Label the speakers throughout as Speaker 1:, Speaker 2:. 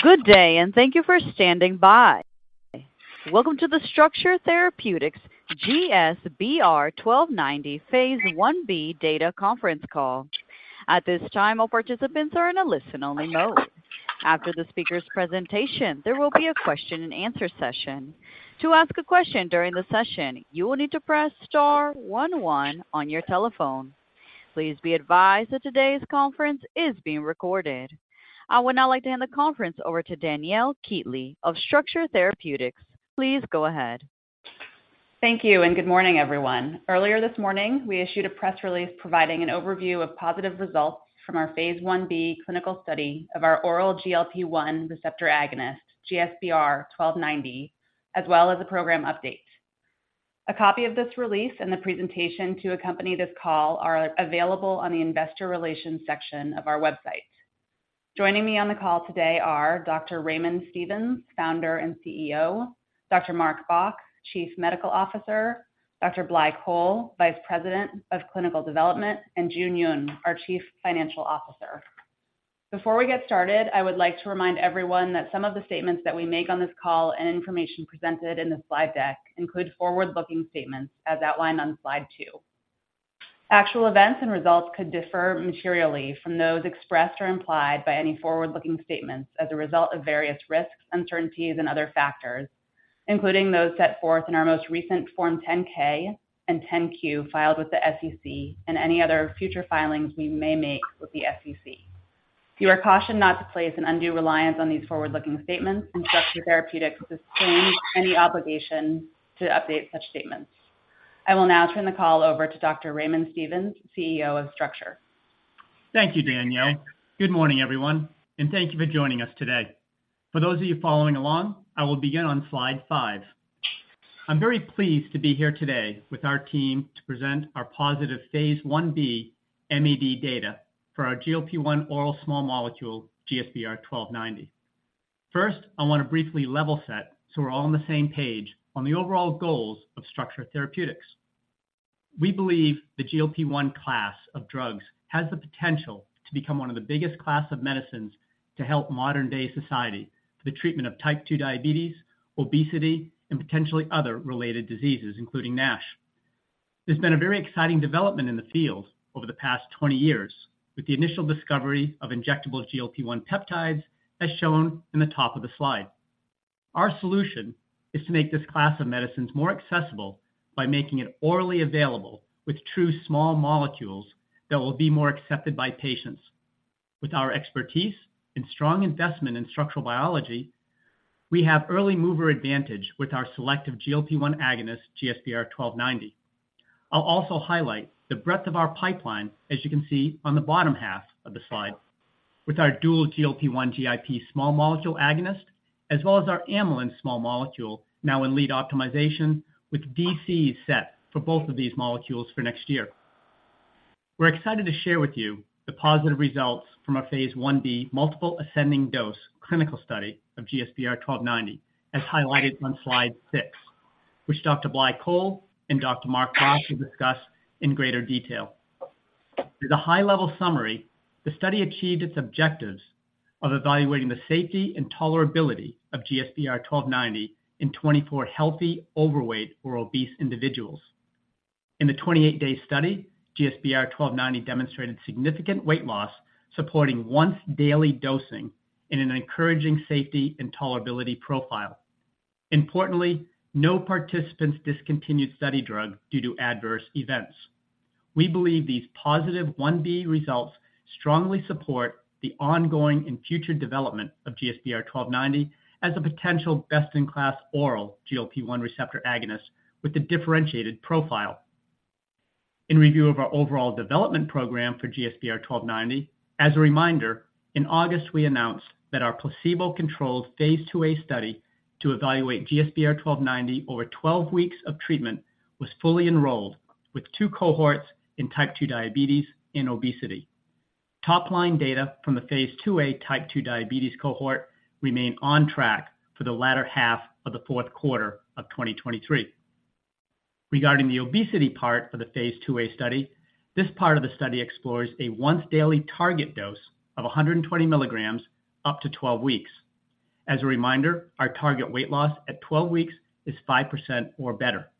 Speaker 1: Good day, and thank you for standing by. Welcome to the Structure Therapeutics GSBR-1290 phase Ib data conference call. At this time, all participants are in a listen-only mode. After the speaker's presentation, there will be a question and answer session. To ask a question during the session, you will need to press star one one on your telephone. Please be advised that today's conference is being recorded. I would now like to hand the conference over to Danielle Keatley of Structure Therapeutics. Please go ahead.
Speaker 2: Thank you, and good morning, everyone. Earlier this morning, we issued a press release providing an overview of positive results from our phase Ib clinical study of our oral GLP-1 receptor agonist, GSBR-1290, as well as a program update. A copy of this release and the presentation to accompany this call are available on the investor relations section of our website. Joining me on the call today are Dr. Raymond Stevens, founder and CEO, Dr. Mark Bach, Chief Medical Officer, Dr. Blai Coll, Vice President of Clinical Development, and Jun Yoon, our Chief Financial Officer. Before we get started, I would like to remind everyone that some of the statements that we make on this call and information presented in the slide deck include forward-looking statements as outlined on slide two. Actual events and results could differ materially from those expressed or implied by any forward-looking statements as a result of various risks, uncertainties, and other factors, including those set forth in our most recent Form 10-K and 10-Q, filed with the SEC and any other future filings we may make with the SEC. You are cautioned not to place an undue reliance on these forward-looking statements, and Structure Therapeutics disclaims any obligation to update such statements. I will now turn the call over to Dr. Raymond Stevens, CEO of Structure Therapeutics.
Speaker 3: Thank you, Danielle. Good morning, everyone, and thank you for joining us today. For those of you following along, I will begin on slide five. I'm very pleased to be here today with our team to present our positive phase Ib MAD data for our GLP-1 oral small molecule, GSBR-1290. First, I want to briefly level set so we're all on the same page on the overall goals of Structure Therapeutics. We believe the GLP-1 class of drugs has the potential to become one of the biggest class of medicines to help modern-day society for the treatment of type 2 diabetes, obesity, and potentially other related diseases, including NASH. There's been a very exciting development in the field over the past 20 years, with the initial discovery of injectable GLP-1 peptides, as shown in the top of the slide. Our solution is to make this class of medicines more accessible by making it orally available with true small molecules that will be more accepted by patients. With our expertise and strong investment in structural biology, we have early mover advantage with our selective GLP-1 agonist, GSBR-1290. I'll also highlight the breadth of our pipeline, as you can see on the bottom half of the slide, with our dual GLP-1/GIP small molecule agonist, as well as our amylin small molecule, now in lead optimization, with DC set for both of these molecules for next year. We're excited to share with you the positive results from our phase Ib multiple ascending dose clinical study of GSBR-1290, as highlighted on slide six, which Dr. Blai Coll and Dr. Mark Bach will discuss in greater detail. As a high-level summary, the study achieved its objectives of evaluating the safety and tolerability of GSBR-1290 in 24 healthy, overweight, or obese individuals. In the 28-day study, GSBR-1290 demonstrated significant weight loss, supporting once daily dosing in an encouraging safety and tolerability profile. Importantly, no participants discontinued study drug due to adverse events. We believe these positive 1b results strongly support the ongoing and future development of GSBR-1290 as a potential best-in-class oral GLP-1 receptor agonist with a differentiated profile. In review of our overall development program for GSBR-1290, as a reminder, in August, we announced that our placebo-controlled phase IIa study to evaluate GSBR-1290 over 12 weeks of treatment was fully enrolled with two cohorts in type 2 diabetes and obesity. Top line data from the phase IIa type 2 diabetes cohort remain on track for the latter half of the fourth quarter of 2023. Regarding the obesity part of the phase IIa study, this part of the study explores a once-daily target dose of 120 mg up to 12 weeks. As a reminder, our target weight loss at 12 weeks is 5% or better.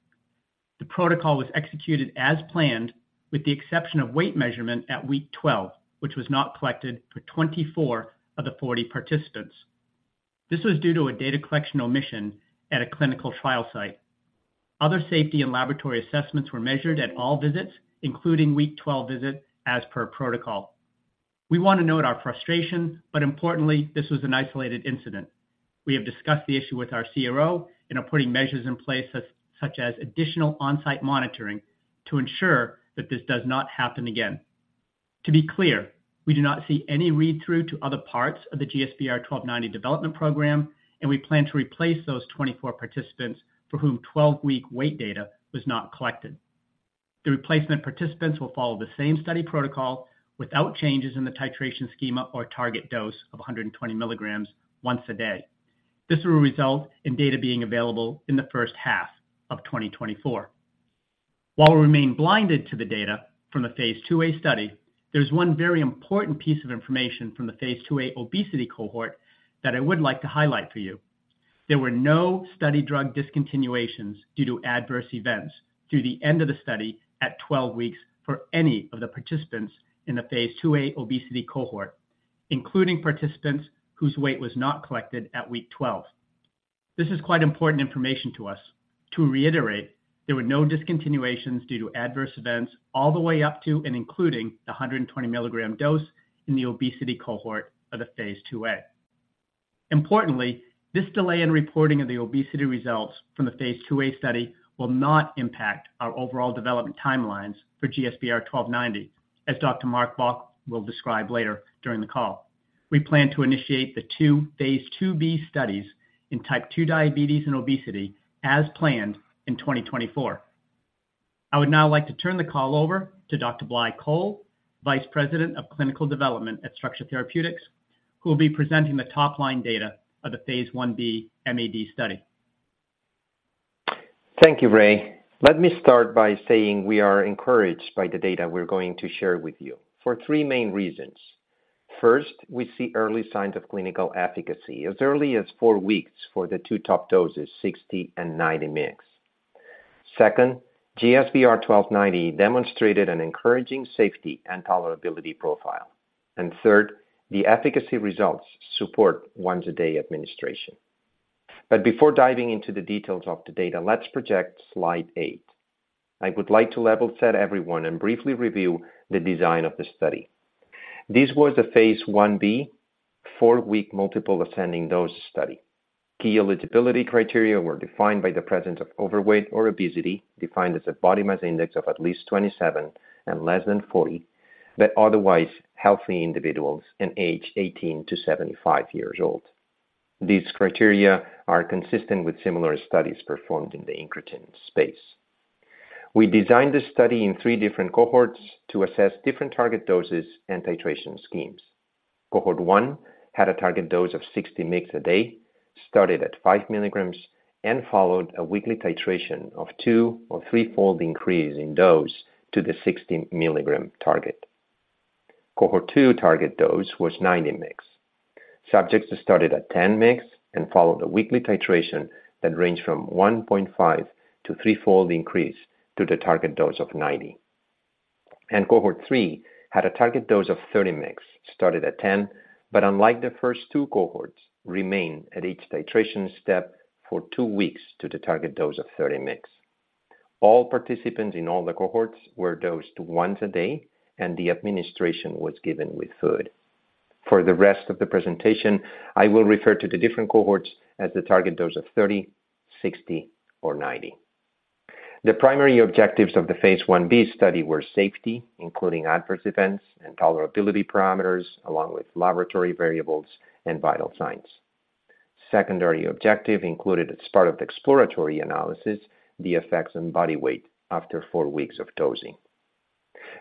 Speaker 3: The protocol was executed as planned, with the exception of weight measurement at week 12, which was not collected for 24 of the 40 participants. This was due to a data collection omission at a clinical trial site. Other safety and laboratory assessments were measured at all visits, including week 12 visit, as per protocol. We want to note our frustration, but importantly, this was an isolated incident. We have discussed the issue with our CRO and are putting measures in place, such as additional on-site monitoring, to ensure that this does not happen again. To be clear, we do not see any read-through to other parts of the GSBR-1290 development program, and we plan to replace those 24 participants for whom 12-week weight data was not collected. The replacement participants will follow the same study protocol without changes in the titration schema or target dose of 120 mg once a day. This will result in data being available in the first half of 2024.... While we remain blinded to the data from the phase IIa study, there's one very important piece of information from the phase IIa obesity cohort that I would like to highlight for you. There were no study drug discontinuations due to adverse events through the end of the study at 12 weeks for any of the participants in the phase IIa obesity cohort, including participants whose weight was not collected at week 12. This is quite important information to us. To reiterate, there were no discontinuations due to adverse events all the way up to and including the 120 mg dose in the obesity cohort of the phase IIa. Importantly, this delay in reporting of the obesity results from the phase IIa study will not impact our overall development timelines for GSBR-1290, as Dr. Mark Bach will describe later during the call. We plan to initiate the two phase IIb studies in type 2 diabetes and obesity as planned in 2024. I would now like to turn the call over to Dr. Blai Coll, Vice President of Clinical Development at Structure Therapeutics, who will be presenting the top-line data of the phase Ib MAD study.
Speaker 4: Thank you, Ray. Let me start by saying we are encouraged by the data we're going to share with you for three main reasons. First, we see early signs of clinical efficacy as early as 4 weeks for the two top doses, 60 mg and 90 mg. Second, GSBR-1290 demonstrated an encouraging safety and tolerability profile. And third, the efficacy results support once a day administration. But before diving into the details of the data, let's project slide eight. I would like to level set everyone and briefly review the design of the study. This was the phase Ib, four-week multiple ascending dose study. Key eligibility criteria were defined by the presence of overweight or obesity, defined as a body mass index of at least 27 and less than 40, but otherwise healthy individuals and aged 18 to 75 years old. These criteria are consistent with similar studies performed in the incretin space. We designed this study in three different cohorts to assess different target doses and titration schemes. Cohort one had a target dose of 60 mg a day, started at 5 mg, and followed a weekly titration of two or threefold increase in dose to the 60 mg target. Cohort two target dose was 90 mg. Subjects started at 10 mg and followed a weekly titration that ranged from 1.5- to threefold increase to the target dose of 90. Cohort three had a target dose of 30 mg, started at 10, but unlike the first two cohorts, remained at each titration step for two weeks to the target dose of 30 mg. All participants in all the cohorts were dosed once a day, and the administration was given with fold. For the rest of the presentation, I will refer to the different cohorts as the target dose of 30, 60, or 90. The primary objectives of the phase Ib study were safety, including adverse events and tolerability parameters, along with laboratory variables and vital signs. Secondary objective included, as part of the exploratory analysis, the effects on body weight after four weeks of dosing.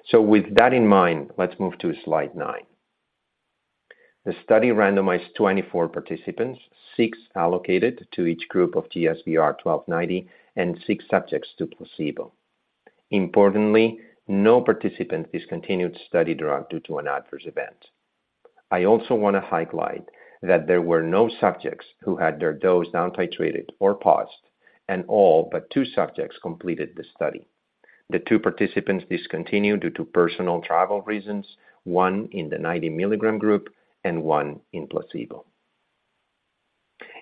Speaker 4: So with that in mind, let's move to slide nine. The study randomized 24 participants, six allocated to each group of GSBR-1290 and six subjects to placebo. Importantly, no participant discontinued study drug due to an adverse event. I also want to highlight that there were no subjects who had their dose down-titrated or paused, and all but two subjects completed the study. The two participants discontinued due to personal travel reasons, one in the 90 mg group and one in placebo.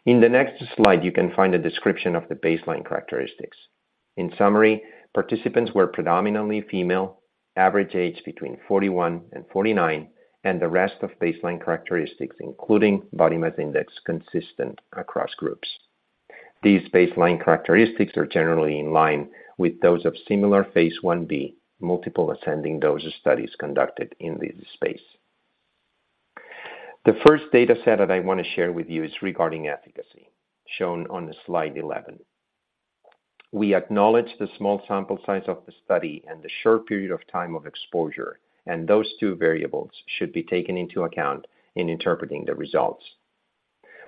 Speaker 4: In the next slide, you can find a description of the baseline characteristics. In summary, participants were predominantly female, average age between 41 and 49, and the rest of baseline characteristics, including body mass index, consistent across groups. These baseline characteristics are generally in line with those of similar phase Ib, multiple ascending dose studies conducted in this space. The first data set that I want to share with you is regarding efficacy, shown on slide 11. We acknowledge the small sample size of the study and the short period of time of exposure, and those two variables should be taken into account in interpreting the results.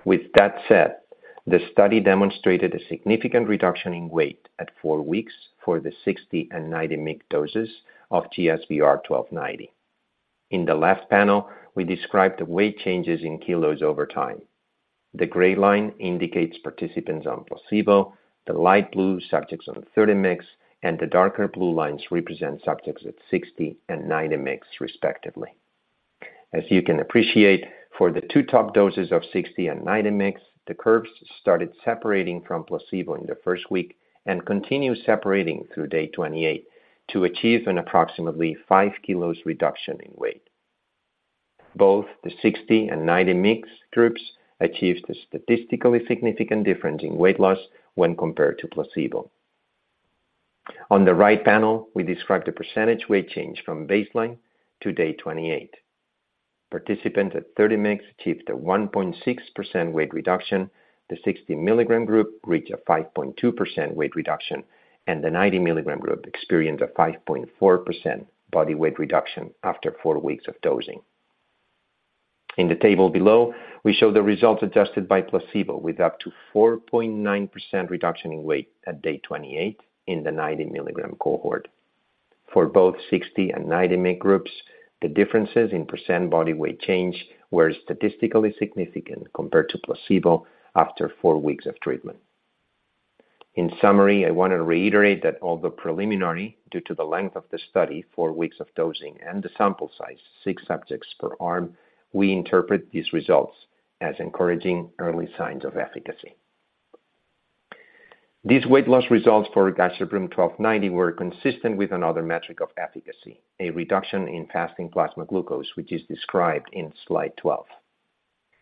Speaker 4: With that said, the study demonstrated a significant reduction in weight at four weeks for the 60 mg and 90 mg doses of GSBR-1290. In the left panel, we describe the weight changes in kilos over time. The gray line indicates participants on placebo, the light blue subjects on 30 mg, and the darker blue lines represent subjects at 60 mg and 90 mg respectively. As you can appreciate, for the two top doses of 60 mg and 90 mg, the curves started separating from placebo in the first week and continue separating through day 28 to achieve an approximately 5 kg reduction in weight. Both the 60 mg and 90 mg groups achieved a statistically significant difference in weight loss when compared to placebo. On the right panel, we describe the percentage weight change from baseline to day 28. Participants at 30 mg achieved a 1.6% weight reduction, the 60 mg group reached a 5.2% weight reduction, and the 90 mg group experienced a 5.4% body weight reduction after 4 weeks of dosing.... In the table below, we show the results adjusted by placebo, with up to 4.9% reduction in weight at day 28 in the 90-mg cohort. For both 60 mg and 90 mg groups, the differences in percent body weight change were statistically significant compared to placebo after four weeks of treatment. In summary, I want to reiterate that although preliminary, due to the length of the study, four weeks of dosing and the sample size, six subjects per arm, we interpret these results as encouraging early signs of efficacy. These weight loss results for GSBR-1290 were consistent with another metric of efficacy, a reduction in fasting plasma glucose, which is described in slide 12.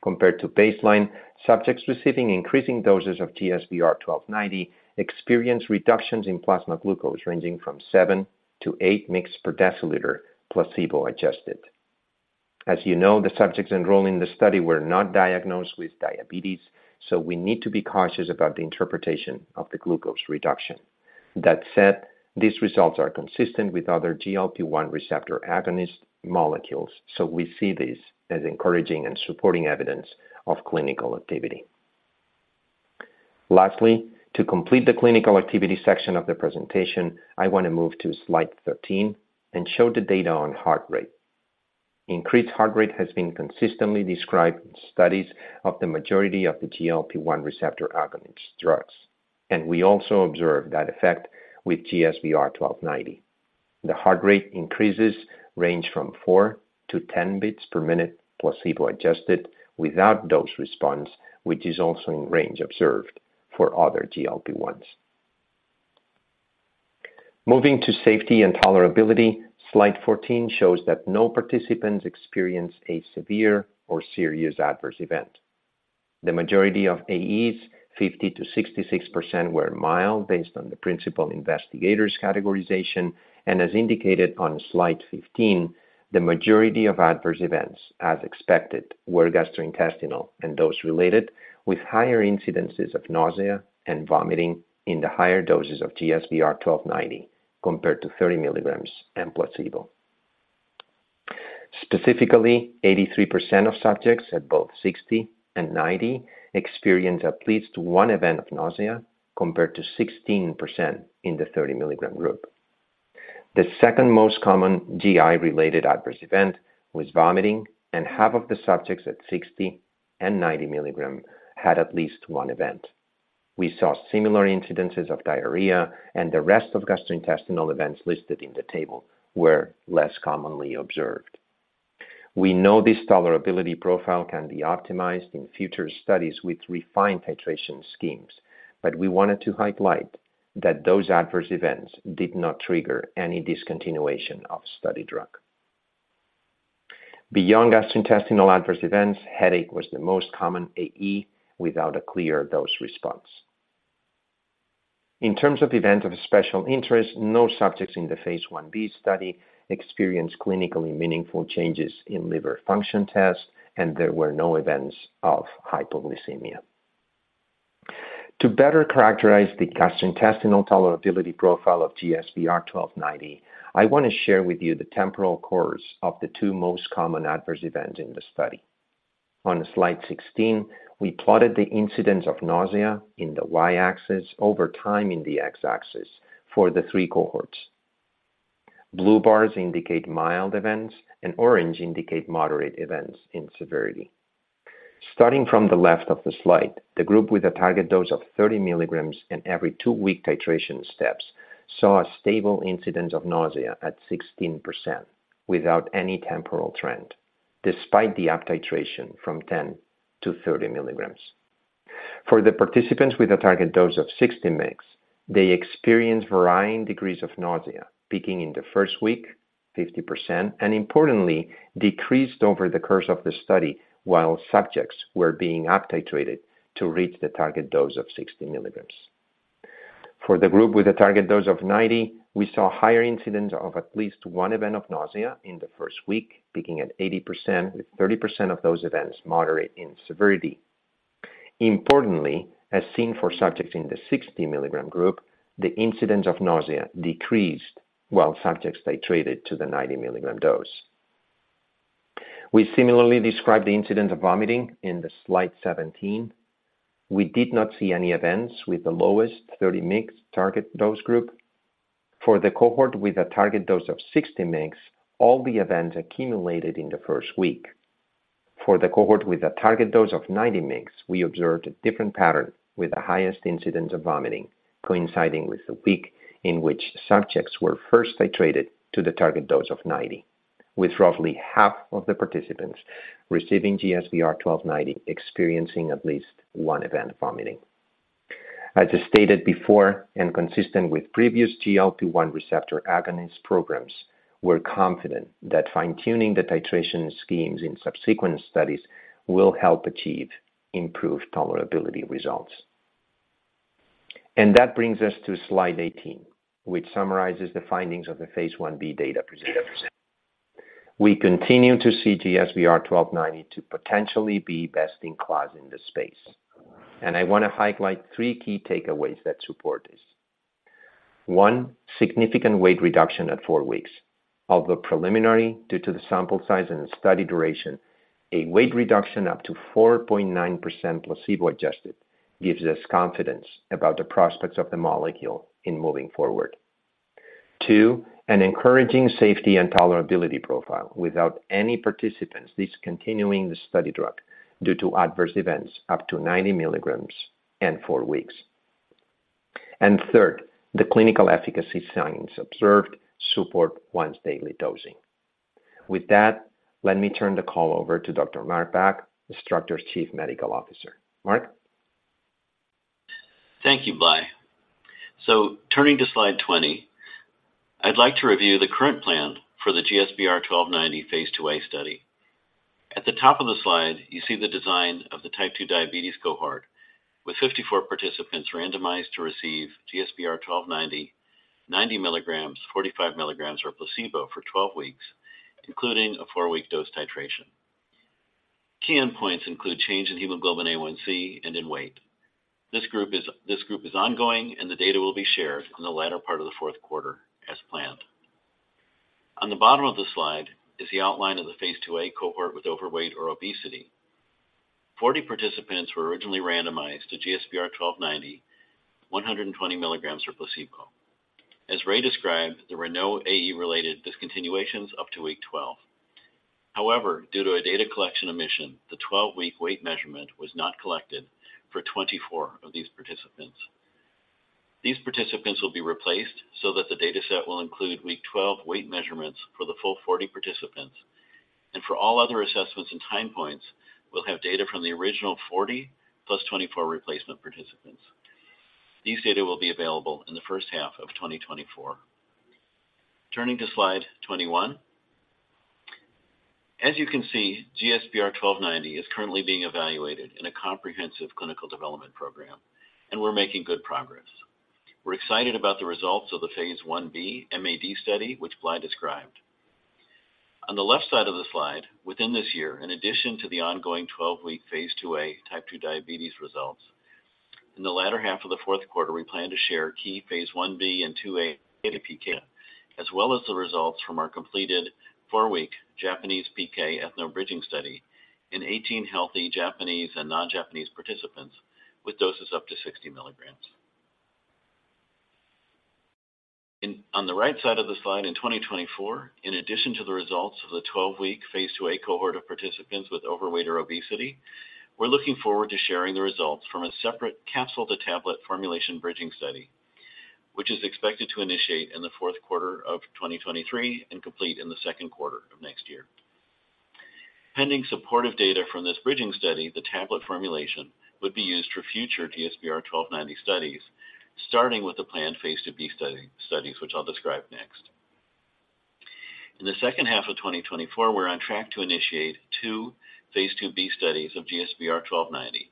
Speaker 4: Compared to baseline, subjects receiving increasing doses of GSBR-1290 experienced reductions in plasma glucose, ranging from 7 mg-8 mg per deciliter, placebo-adjusted. As you know, the subjects enrolled in the study were not diagnosed with diabetes, so we need to be cautious about the interpretation of the glucose reduction. That said, these results are consistent with other GLP-1 receptor agonist molecules, so we see this as encouraging and supporting evidence of clinical activity. Lastly, to complete the clinical activity section of the presentation, I want to move to slide 13 and show the data on heart rate. Increased heart rate has been consistently described in studies of the majority of the GLP-1 receptor agonist drugs, and we also observed that effect with GSBR-1290. The heart rate increases range from four-10 beats per minute, placebo-adjusted, without dose response, which is also in range observed for other GLP-1s. Moving to safety and tolerability, slide 14 shows that no participants experienced a severe or serious adverse event. The majority of AEs, 50%-66%, were mild based on the principal investigator's categorization, and as indicated on slide 15, the majority of adverse events, as expected, were gastrointestinal and dose-related, with higher incidences of nausea and vomiting in the higher doses of GSBR-1290 compared to 30 mg and placebo. Specifically, 83% of subjects at both 60 and 90 experienced at least one event of nausea, compared to 16% in the 30 mg group. The second most common GI-related adverse event was vomiting, and half of the subjects at 60 mg and 90 mg had at least one event. We saw similar incidences of diarrhea, and the rest of gastrointestinal events listed in the table were less commonly observed. We know this tolerability profile can be optimized in future studies with refined titration schemes, but we wanted to highlight that those adverse events did not trigger any discontinuation of study drug. Beyond gastrointestinal adverse events, headache was the most common AE without a clear dose response. In terms of events of special interest, no subjects in the phase Ib study experienced clinically meaningful changes in liver function tests, and there were no events of hypoglycemia. To better characterize the gastrointestinal tolerability profile of GSBR-1290, I want to share with you the temporal course of the two most common adverse events in the study. On slide 16, we plotted the incidence of nausea in the Y-axis over time in the X-axis for the three cohorts. Blue bars indicate mild events, and orange indicate moderate events in severity. Starting from the left of the slide, the group with a target dose of 30 mg in every 2-week titration steps saw a stable incidence of nausea at 16% without any temporal trend, despite the up titration from 10 mg-30 mg. For the participants with a target dose of 60 mg, they experienced varying degrees of nausea, peaking in the first week, 50%, and importantly, decreased over the course of the study while subjects were being up titrated to reach the target dose of 60 mg. For the group with a target dose of 90, we saw higher incidence of at least one event of nausea in the first week, peaking at 80%, with 30% of those events moderate in severity. Importantly, as seen for subjects in the 60 mg group, the incidence of nausea decreased while subjects titrated to the 90 mg dose. We similarly described the incidence of vomiting in the slide 17. We did not see any events with the lowest 30 mg target dose group. For the cohort with a target dose of 60 mg, all the events accumulated in the first week. For the cohort with a target dose of 90 mg, we observed a different pattern, with the highest incidence of vomiting coinciding with the week in which subjects were first titrated to the target dose of 90, with roughly half of the participants receiving GSBR-1290 experiencing at least one event of vomiting. As I stated before, and consistent with previous GLP-1 receptor agonist programs, we're confident that fine-tuning the titration schemes in subsequent studies will help achieve improved tolerability results. And that brings us to slide 18, which summarizes the findings of the phase Ib data presented. We continue to see GSBR-1290 to potentially be best in class in this space, and I want to highlight three key takeaways that support this. One, significant weight reduction at four weeks. Although preliminary, due to the sample size and the study duration, a weight reduction up to 4.9% placebo-adjusted, gives us confidence about the prospects of the molecule in moving forward. Two, an encouraging safety and tolerability profile without any participants discontinuing the study drug due to adverse events up to 90 mg in four weeks. And third, the clinical efficacy signs observed support once daily dosing. With that, let me turn the call over to Dr. Mark Bach, Structure's Chief Medical Officer. Mark?
Speaker 5: Thank you, Blai. So turning to slide 20, I'd like to review the current plan for the GSBR-1290 phase IIa study. At the top of the slide, you see the design of the type 2 diabetes cohort, with 54 participants randomized to receive GSBR-1290, 90 mg, 45 mg or placebo for 12 weeks, including a 4-week dose titration. Key endpoints include change in hemoglobin A1c and in weight. This group is ongoing, and the data will be shared in the latter part of the fourth quarter as planned. On the bottom of the slide is the outline of the phase IIa cohort with overweight or obesity. 40 participants were originally randomized to GSBR-1290, 120 mg or placebo. As Ray described, there were no AE-related discontinuations up to week 12. However, due to a data collection omission, the 12-week weight measurement was not collected for 24 of these participants. These participants will be replaced so that the dataset will include week 12 weight measurements for the full 40 participants, and for all other assessments and time points, we'll have data from the original 40 plus 24 replacement participants. These data will be available in the first half of 2024. Turning to slide 21. As you can see, GSBR-1290 is currently being evaluated in a comprehensive clinical development program, and we're making good progress. We're excited about the results of the phase Ib MAD study, which Blai described. On the left side of the slide, within this year, in addition to the ongoing 12-week phase IIa type 2 diabetes results, in the latter half of the fourth quarter, we plan to share key phase Ib and 2a data PK, as well as the results from our completed 4-week Japanese PK ethno-bridging study in 18 healthy Japanese and non-Japanese participants with doses up to 60 mg. On the right side of the slide in 2024, in addition to the results of the 12-week phase IIa cohort of participants with overweight or obesity, we're looking forward to sharing the results from a separate capsule-to-tablet formulation bridging study, which is expected to initiate in the fourth quarter of 2023 and complete in the second quarter of next year. Pending supportive data from this bridging study, the tablet formulation would be used for future GSBR-1290 studies, starting with the planned phase IIb study, which I'll describe next. In the second half of 2024, we're on track to initiate two phase IIb studies of GSBR-1290,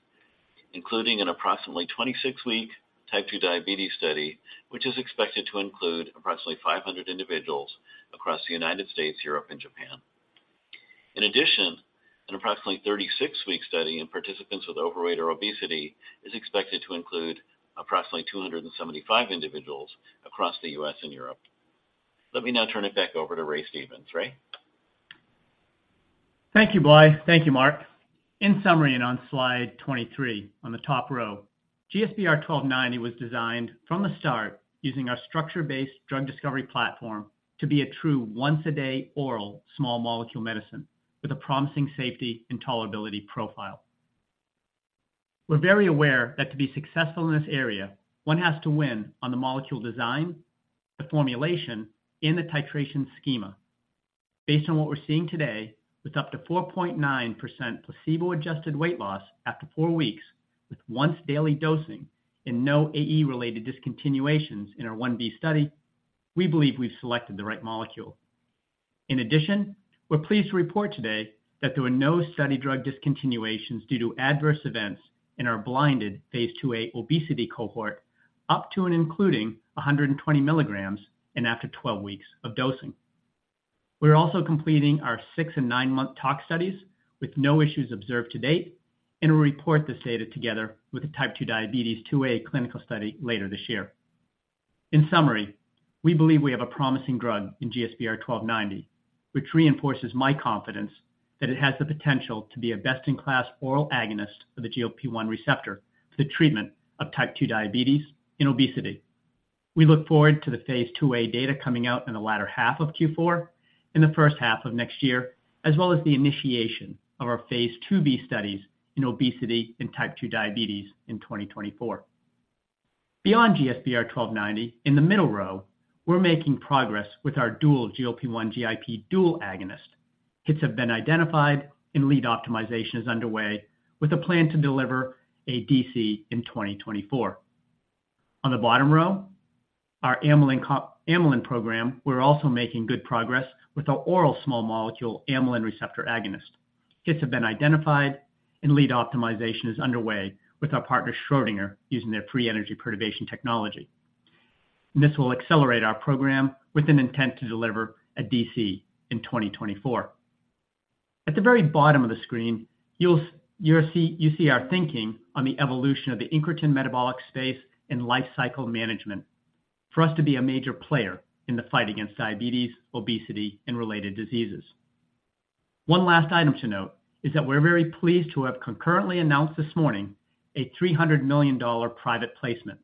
Speaker 5: including an approximately 26-week type 2 diabetes study, which is expected to include approximately 500 individuals across the United States, Europe, and Japan. In addition, an approximately 36-week study in participants with overweight or obesity is expected to include approximately 275 individuals across the U.S. and Europe. Let me now turn it back over to Ray Stevens. Ray?
Speaker 3: Thank you, Blai. Thank you, Mark. In summary, and on slide 23, on the top row, GSBR-1290 was designed from the start using our structure-based drug discovery platform to be a true once-a-day oral small molecule medicine with a promising safety and tolerability profile. We're very aware that to be successful in this area, one has to win on the molecule design, the formulation, and the titration schema. Based on what we're seeing today, with up to 4.9% placebo-adjusted weight loss after four weeks with once daily dosing and no AE-related discontinuations in our 1b study, we believe we've selected the right molecule. In addition, we're pleased to report today that there were no study drug discontinuations due to adverse events in our blinded phase IIa obesity cohort, up to and including 120 mg and after 12 weeks of dosing. We're also completing our six- and nine-month tox studies with no issues observed to date, and we'll report this data together with a type 2 diabetes phase IIa clinical study later this year. In summary, we believe we have a promising drug in GSBR-1290, which reinforces my confidence that it has the potential to be a best-in-class oral agonist for the GLP-1 receptor for the treatment of type 2 diabetes and obesity. We look forward to the phase IIa data coming out in the latter half of Q4, in the first half of next year, as well as the initiation of our phase IIb studies in obesity and type 2 diabetes in 2024. Beyond GSBR-1290, in the middle row, we're making progress with our dual GLP-1/GIP dual agonist. Hits have been identified and lead optimization is underway, with a plan to deliver a DC in 2024. On the bottom row, our amylin program, we're also making good progress with our oral small molecule amylin receptor agonist. Hits have been identified and lead optimization is underway with our partner, Schrödinger, using their free energy perturbation technology. This will accelerate our program with an intent to deliver a DC in 2024. At the very bottom of the screen, you'll see our thinking on the evolution of the incretin metabolic space and life cycle management for us to be a major player in the fight against diabetes, obesity, and related diseases. One last item to note is that we're very pleased to have concurrently announced this morning a $300 million private placement.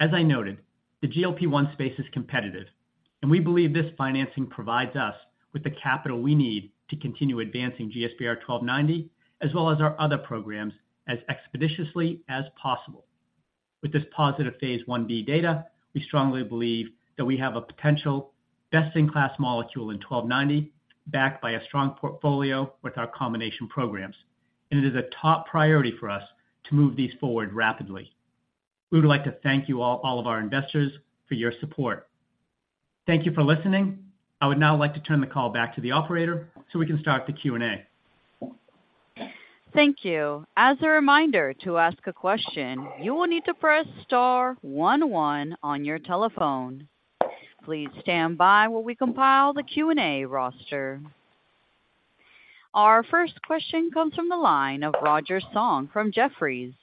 Speaker 3: As I noted, the GLP-1 space is competitive, and we believe this financing provides us with the capital we need to continue advancing GSBR-1290, as well as our other programs, as expeditiously as possible. With this positive phase Ib data, we strongly believe that we have a potential best-in-class molecule in 1290, backed by a strong portfolio with our combination programs. It is a top priority for us to move these forward rapidly. We would like to thank you all, all of our investors, for your support. Thank you for listening. I would now like to turn the call back to the operator, so we can start the Q&A.
Speaker 1: Thank you. As a reminder, to ask a question, you will need to press star one, one on your telephone. Please stand by while we compile the Q&A roster. Our first question comes from the line of Roger Song from Jefferies.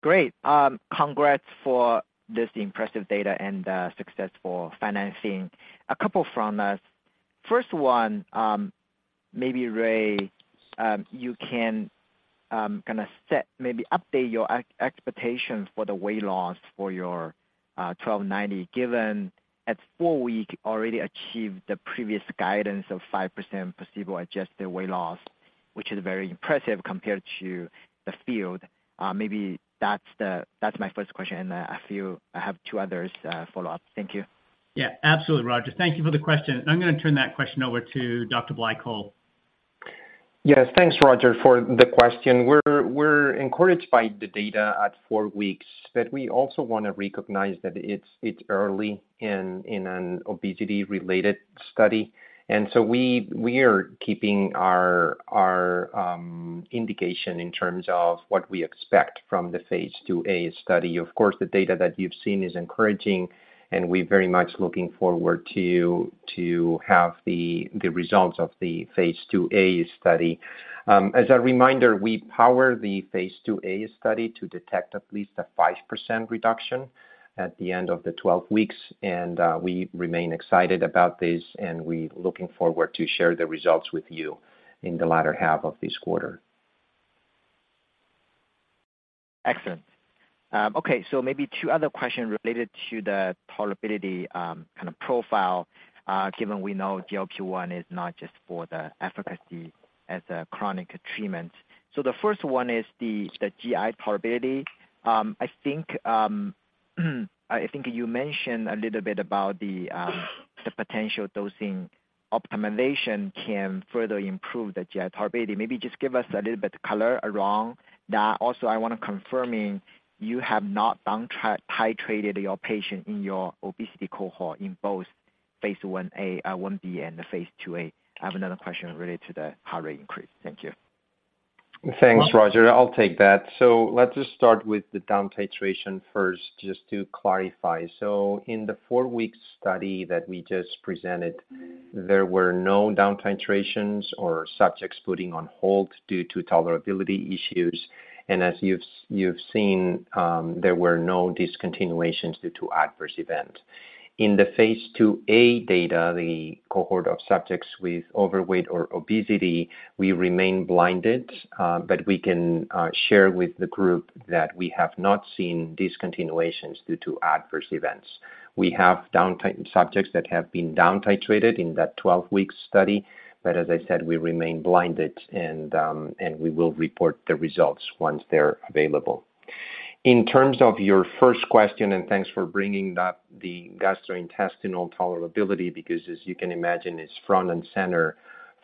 Speaker 6: Great. Congrats for this impressive data and successful financing. A couple from us. First one, maybe Ray, you can kind of set, maybe update your expectation for the weight loss for your 1290, given at four-week already achieved the previous guidance of 5% placebo-adjusted weight loss, which is very impressive compared to the field. Maybe that's my first question, and a few... I have two others follow-up. Thank you.
Speaker 3: Yeah, absolutely, Roger. Thank you for the question. I'm going to turn that question over to Dr. Blai Coll.
Speaker 4: Yes. Thanks, Roger, for the question. We're encouraged by the data at four weeks, but we also want to recognize that it's early in an obesity-related study. And so we are keeping our indication in terms of what we expect from the phase IIa study. Of course, the data that you've seen is encouraging, and we're very much looking forward to have the results of the phase IIa study. As a reminder, we power the phase IIa study to detect at least a 5% reduction at the end of the 12 weeks, and we remain excited about this, and we're looking forward to share the results with you in the latter half of this quarter.
Speaker 6: Excellent. Okay, so maybe two other questions related to the tolerability kind of profile, given we know GLP-1 is not just for the efficacy as a chronic treatment. So the first one is the GI tolerability. I think you mentioned a little bit about the potential dosing optimization can further improve the GI tolerability. Maybe just give us a little bit color around that. Also, I want to confirm you have not down titrated your patient in your obesity cohort in both phase Ia, IIb, and phase IIa. I have another question related to the heart rate increase. Thank you.
Speaker 4: Thanks, Roger. I'll take that. So let's just start with the down titration first, just to clarify. So in the four-week study that we just presented, there were no down titrations or subjects putting on hold due to tolerability issues, and as you've seen, there were no discontinuations due to adverse events. In the phase IIa data, the cohort of subjects with overweight or obesity, we remain blinded, but we can share with the group that we have not seen discontinuations due to adverse events. We have down titrated subjects that have been down titrated in that 12-week study, but as I said, we remain blinded, and we will report the results once they're available. In terms of your first question, and thanks for bringing up the gastrointestinal tolerability, because as you can imagine, it's front and center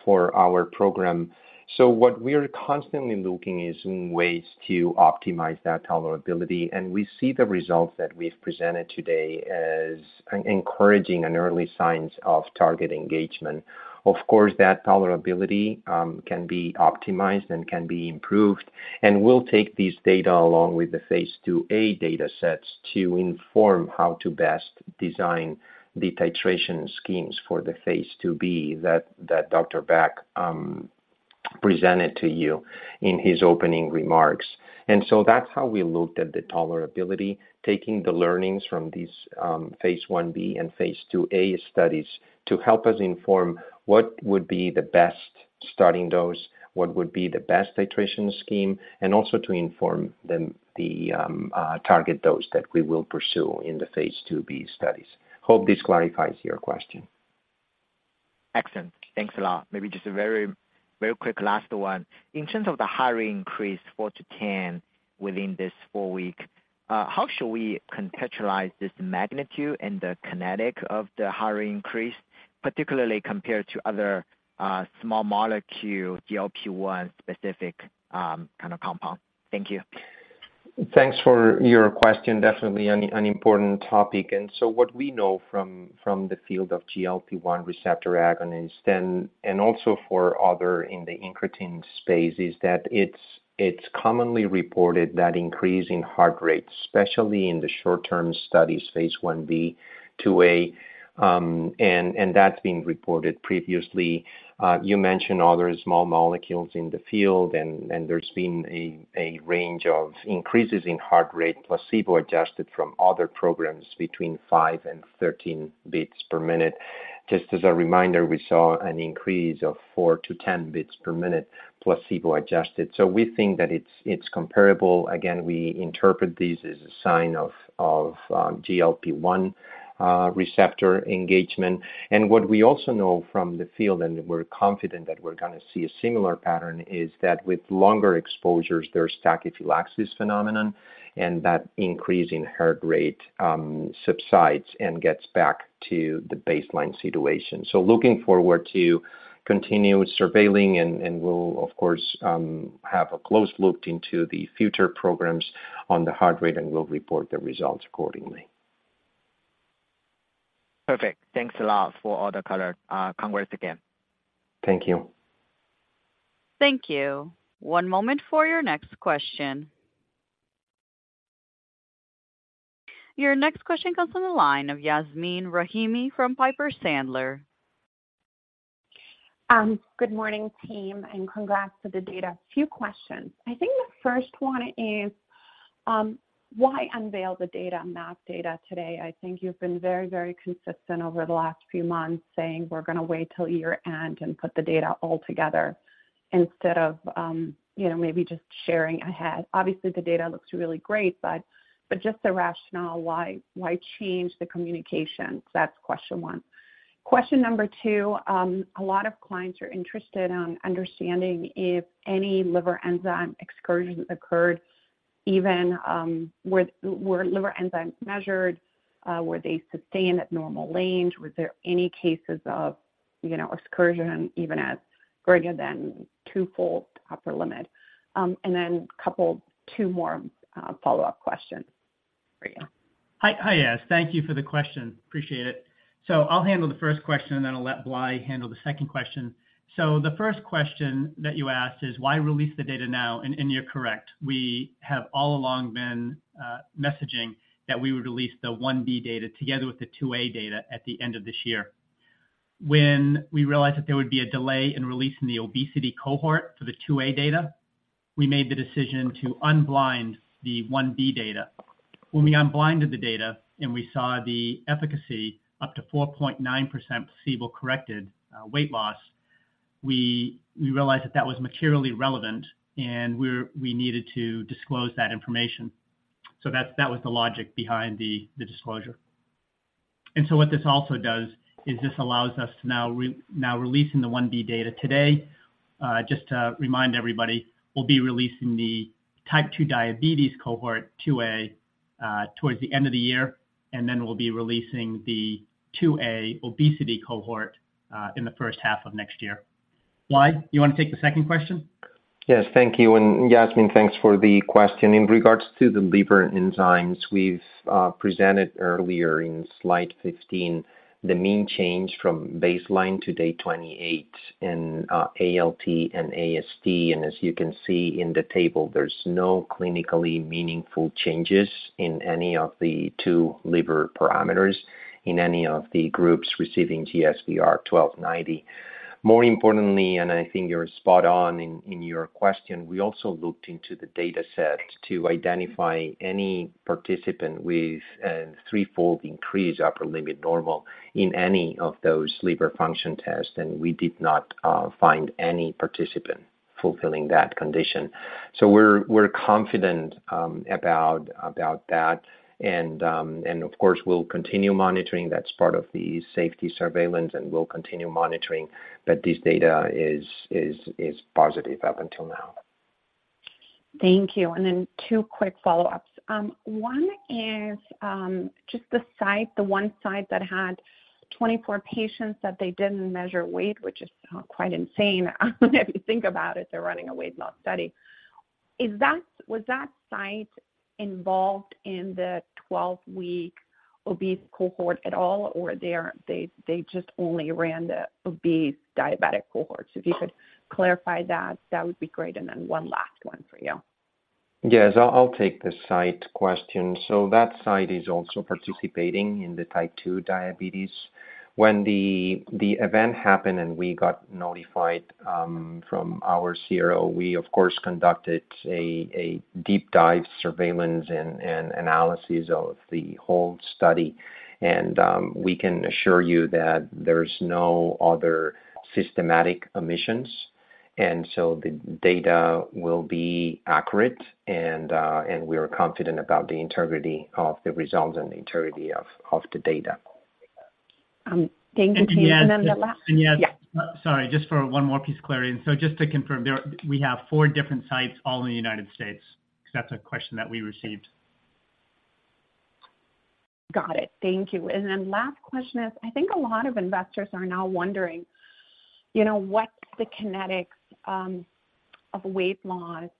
Speaker 4: for our program. So what we are constantly looking is in ways to optimize that tolerability, and we see the results that we've presented today as an encouraging and early signs of target engagement. Of course, that tolerability can be optimized and can be improved, and we'll take these data along with the phase IIa data sets to inform how to best design the titration schemes for the phase IIb, that Dr. Bach presented to you in his opening remarks. And so that's how we looked at the tolerability, taking the learnings from these phase Ib and phase IIa studies, to help us inform what would be the best starting dose, what would be the best titration scheme, and also to inform the target dose that we will pursue in the phase IIb studies. Hope this clarifies your question.
Speaker 6: Excellent. Thanks a lot. Maybe just a very, very quick last one. In terms of the heart rate increase, four-10, within this four-week, how should we contextualize this magnitude and the kinetic of the heart rate increase, particularly compared to other small molecule GLP-1 specific kind of compound? Thank you.
Speaker 4: Thanks for your question. Definitely an important topic. So what we know from the field of GLP-1 receptor agonist and also for others in the incretin space is that it's commonly reported that increase in heart rate, especially in the short-term studies phase Ib, IIa, and that's been reported previously. You mentioned other small molecules in the field, and there's been a range of increases in heart rate, placebo-adjusted from other programs between five and 13 beats per minute. Just as a reminder, we saw an increase of four-10 beats per minute, placebo-adjusted. So we think that it's comparable. Again, we interpret this as a sign of GLP-1 receptor engagement. What we also know from the field, and we're confident that we're going to see a similar pattern, is that with longer exposures, there's tachyphylaxis phenomenon, and that increase in heart rate subsides and gets back to the baseline situation. Looking forward to continue surveilling, and we'll of course have a close look into the future programs on the heart rate, and we'll report the results accordingly.
Speaker 6: Perfect. Thanks a lot for all the color. Congrats again.
Speaker 4: Thank you.
Speaker 1: Thank you. One moment for your next question. Your next question comes on the line of Yasmeen Rahimi from Piper Sandler.
Speaker 7: Good morning, team, and congrats to the data. A few questions. I think the first one is, why unveil the data, MAD data today? I think you've been very, very consistent over the last few months saying: We're going to wait till year-end and put the data all together instead of, you know, maybe just sharing ahead. Obviously, the data looks really great, but, but just the rationale, why, why change the communication? That's question one. Question number two, a lot of clients are interested on understanding if any liver enzyme excursion occurred, even... were, were liver enzymes measured, were they sustained at normal range? Was there any cases of, you know, excursion, even as greater than twofold upper limit? And then a couple, two more, follow-up questions for you.
Speaker 3: Hi, Yas. Thank you for the question. Appreciate it. So I'll handle the first question, and then I'll let Blai handle the second question. So the first question that you asked is, why release the data now? And, and you're correct. We have all along been messaging that we would release the 1b data together with the 2a data at the end of this year. When we realized that there would be a delay in releasing the obesity cohort for the 2a data, we made the decision to unblind the 1b data. When we unblinded the data and we saw the efficacy up to 4.9% placebo-corrected weight loss, we realized that that was materially relevant, and we needed to disclose that information. So that, that was the logic behind the disclosure. So what this also does is this allows us to now release the 1b data today. Just to remind everybody, we'll be releasing the type 2 diabetes cohort 2a towards the end of the year, and then we'll be releasing the 2a obesity cohort in the first half of next year. Blai, you want to take the second question?
Speaker 4: Yes, thank you. And Yasmeen, thanks for the question. In regards to the liver enzymes, we've presented earlier in slide 15 the mean change from baseline to day 28 in ALT and AST. And as you can see in the table, there's no clinically meaningful changes in any of the two liver parameters in any of the groups receiving GSBR-1290. More importantly, and I think you're spot on in your question, we also looked into the dataset to identify any participant with a threefold increased upper limit normal in any of those liver function tests, and we did not find any participant fulfilling that condition. So we're confident about that. And of course, we'll continue monitoring. That's part of the safety surveillance, and we'll continue monitoring, but this data is positive up until now.
Speaker 7: Thank you. And then two quick follow-ups. One is just the site, the one site that had 24 patients, that they didn't measure weight, which is quite insane. If you think about it, they're running a weight loss study. Is that-was that site involved in the 12-week obese cohort at all, or they just only ran the obese diabetic cohorts? If you could clarify that, that would be great. And then one last one for you.
Speaker 4: Yes, I'll take the site question. So that site is also participating in the type 2 diabetes. When the event happened and we got notified from our CRO, we of course conducted a deep dive surveillance and analysis of the whole study, and we can assure you that there's no other systematic omissions, and so the data will be accurate, and we are confident about the integrity of the results and the integrity of the data.
Speaker 7: Thank you. And then the last-
Speaker 3: Yas, sorry, just for one more piece of clarity. So just to confirm, we have four different sites all in the United States, because that's a question that we received.
Speaker 7: Got it. Thank you. And then last question is, I think a lot of investors are now wondering, you know, what's the kinetics of weight loss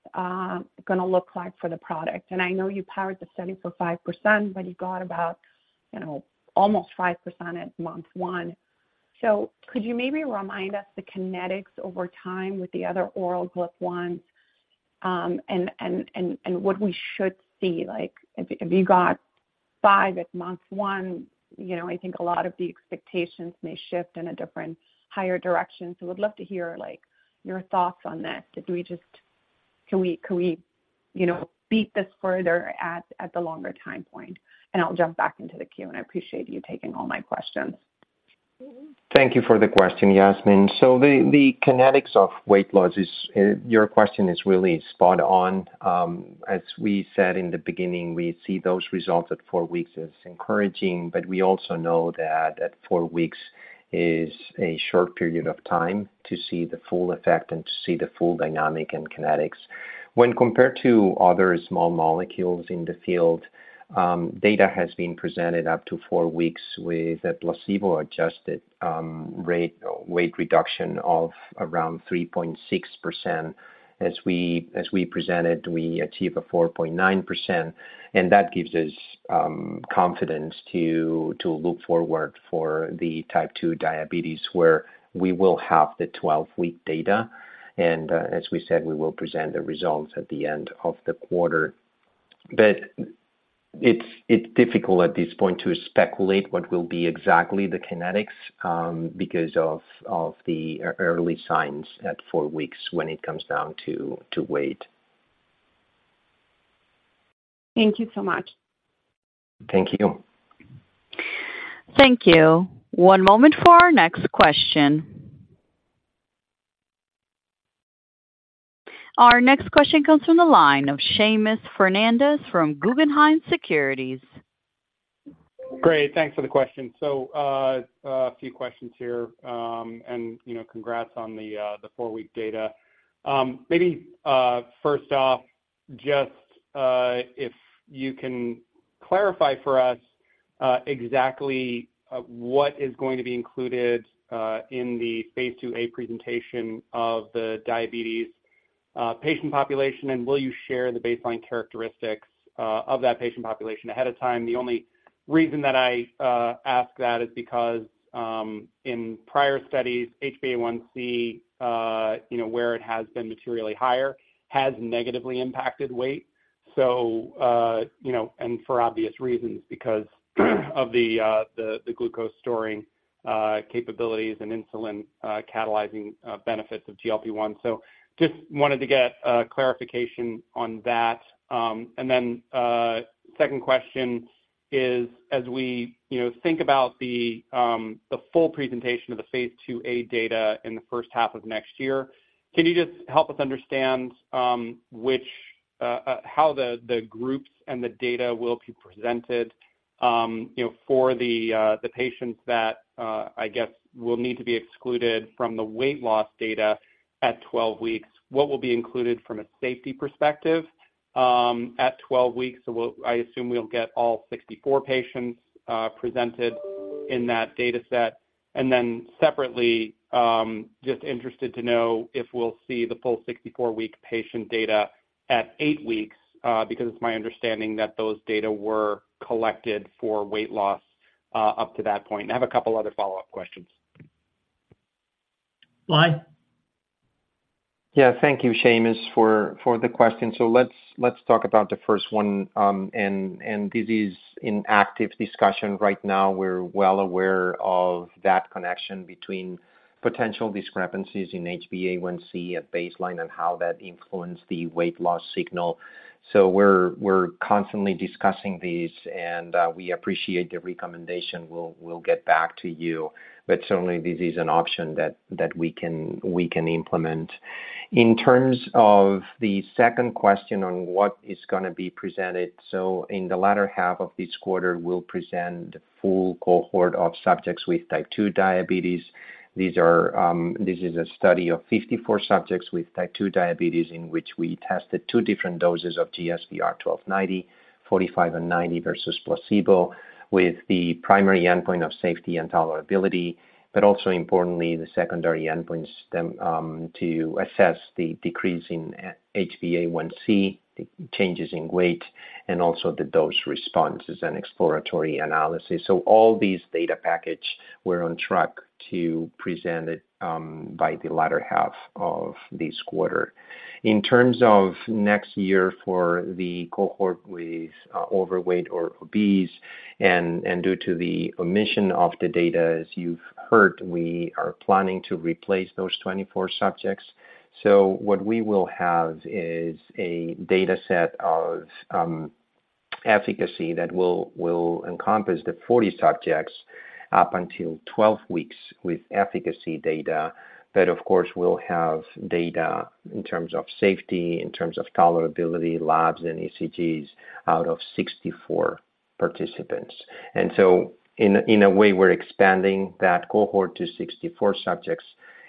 Speaker 7: going to look like for the product? And I know you powered the study for 5%, but you got about, you know, almost 5% at month one. So could you maybe remind us the kinetics over time with the other oral GLP-1? and what we should see, like, if, if you got five at month one, you know, I think a lot of the expectations may shift in a different, higher direction. So we'd love to hear, like, your thoughts on this. Do we just can we, can we, you know, beat this further at the longer time point? And I'll jump back into the queue, and I appreciate you taking all my questions.
Speaker 4: Thank you for the question, Yasmeen. So the kinetics of weight loss is, your question is really spot on. As we said in the beginning, we see those results at four weeks as encouraging, but we also know that at four weeks is a short period of time to see the full effect and to see the full dynamic and kinetics. When compared to other small molecules in the field, data has been presented up to four weeks with a placebo-adjusted rate, weight reduction of around 3.6%. As we presented, we achieved a 4.9%, and that gives us confidence to look forward for the type 2 diabetes, where we will have the 12-week data. And, as we said, we will present the results at the end of the quarter. It's difficult at this point to speculate what will be exactly the kinetics, because of the early signs at four weeks when it comes down to weight.
Speaker 7: Thank you so much.
Speaker 4: Thank you.
Speaker 1: Thank you. One moment for our next question. Our next question comes from the line of Seamus Fernandez from Guggenheim Securities.
Speaker 8: Great, thanks for the question. So, a few questions here, and, you know, congrats on the, the four-week data. Maybe, first off, just, if you can clarify for us, exactly, what is going to be included, in the phase IIa presentation of the diabetes patient population, and will you share the baseline characteristics, of that patient population ahead of time? The only reason that I ask that is because, in prior studies, HbA1c, you know, where it has been materially higher, has negatively impacted weight. So, you know, and for obvious reasons, because of the, the, the glucose storing capabilities and insulin catalyzing benefits of GLP-1. So just wanted to get clarification on that. And then, second question is, as we, you know, think about the full presentation of the phase IIa data in the first half of next year, can you just help us understand, how the groups and the data will be presented, you know, for the patients that, I guess, will need to be excluded from the weight loss data at 12 weeks? What will be included from a safety perspective, at 12 weeks? So, we'll—I assume we'll get all 64 patients, presented in that data set. And then separately, just interested to know if we'll see the full 64-week patient data at eight weeks, because it's my understanding that those data were collected for weight loss, up to that point. I have a couple other follow-up questions.
Speaker 3: Blai?
Speaker 4: Yeah. Thank you, Seamus, for the question. So let's talk about the first one, and this is in active discussion right now. We're well aware of that connection between potential discrepancies in HbA1c at baseline and how that influenced the weight loss signal. So we're constantly discussing this, and we appreciate the recommendation. We'll get back to you, but certainly, this is an option that we can implement. In terms of the second question on what is going to be presented, so in the latter half of this quarter, we'll present the full cohort of subjects with type 2 diabetes. This is a study of 54 subjects with type 2 diabetes, in which we tested two different doses of GSBR-1290, 45 and 90 versus placebo, with the primary endpoint of safety and tolerability, but also importantly, the secondary endpoints then to assess the decrease in HbA1c, the changes in weight, and also the dose responses and exploratory analysis. So all these data package, we're on track to present it by the latter half of this quarter. In terms of next year for the cohort with overweight or obese and, and due to the omission of the data, as you've heard, we are planning to replace those 24 subjects. So what we will have is a data set of efficacy that will encompass the 40 subjects up until 12 weeks with efficacy data. But of course, we'll have data in terms of safety, in terms of tolerability, labs, and ECGs out of 64 participants. And so in a way, we're expanding that cohort to 64 subjects,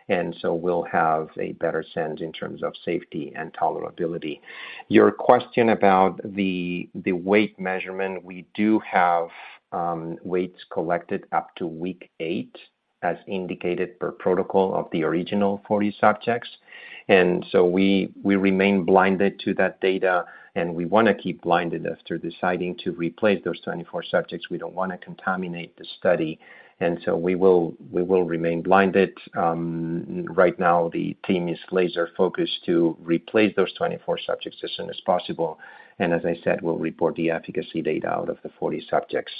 Speaker 4: and so we'll have a better sense in terms of safety and tolerability. Your question about the weight measurement, we do have weights collected up to week eight, as indicated per protocol of the original 40 subjects. And so we remain blinded to that data, and we want to keep blinded after deciding to replace those 24 subjects. We don't want to contaminate the study, and so we will remain blinded. Right now, the team is laser-focused to replace those 24 subjects as soon as possible, and as I said, we'll report the efficacy data out of the 40 subjects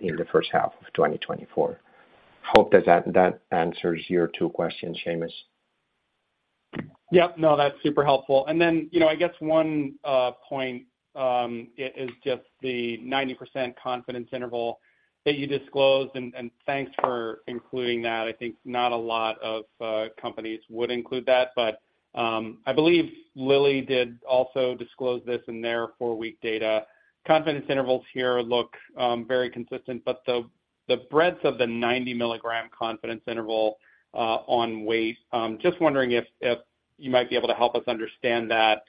Speaker 4: in the first half of 2024. Hope that answers your two questions, Seamus.
Speaker 9: Yep. No, that's super helpful. And then, you know, I guess one point is just the 90% confidence interval that you disclosed, and thanks for including that. I think not a lot of companies would include that, but I believe Lilly did also disclose this in their four-week data. Confidence intervals here look very consistent, but the breadth of the 90-mg confidence interval on weight just wondering if you might be able to help us understand that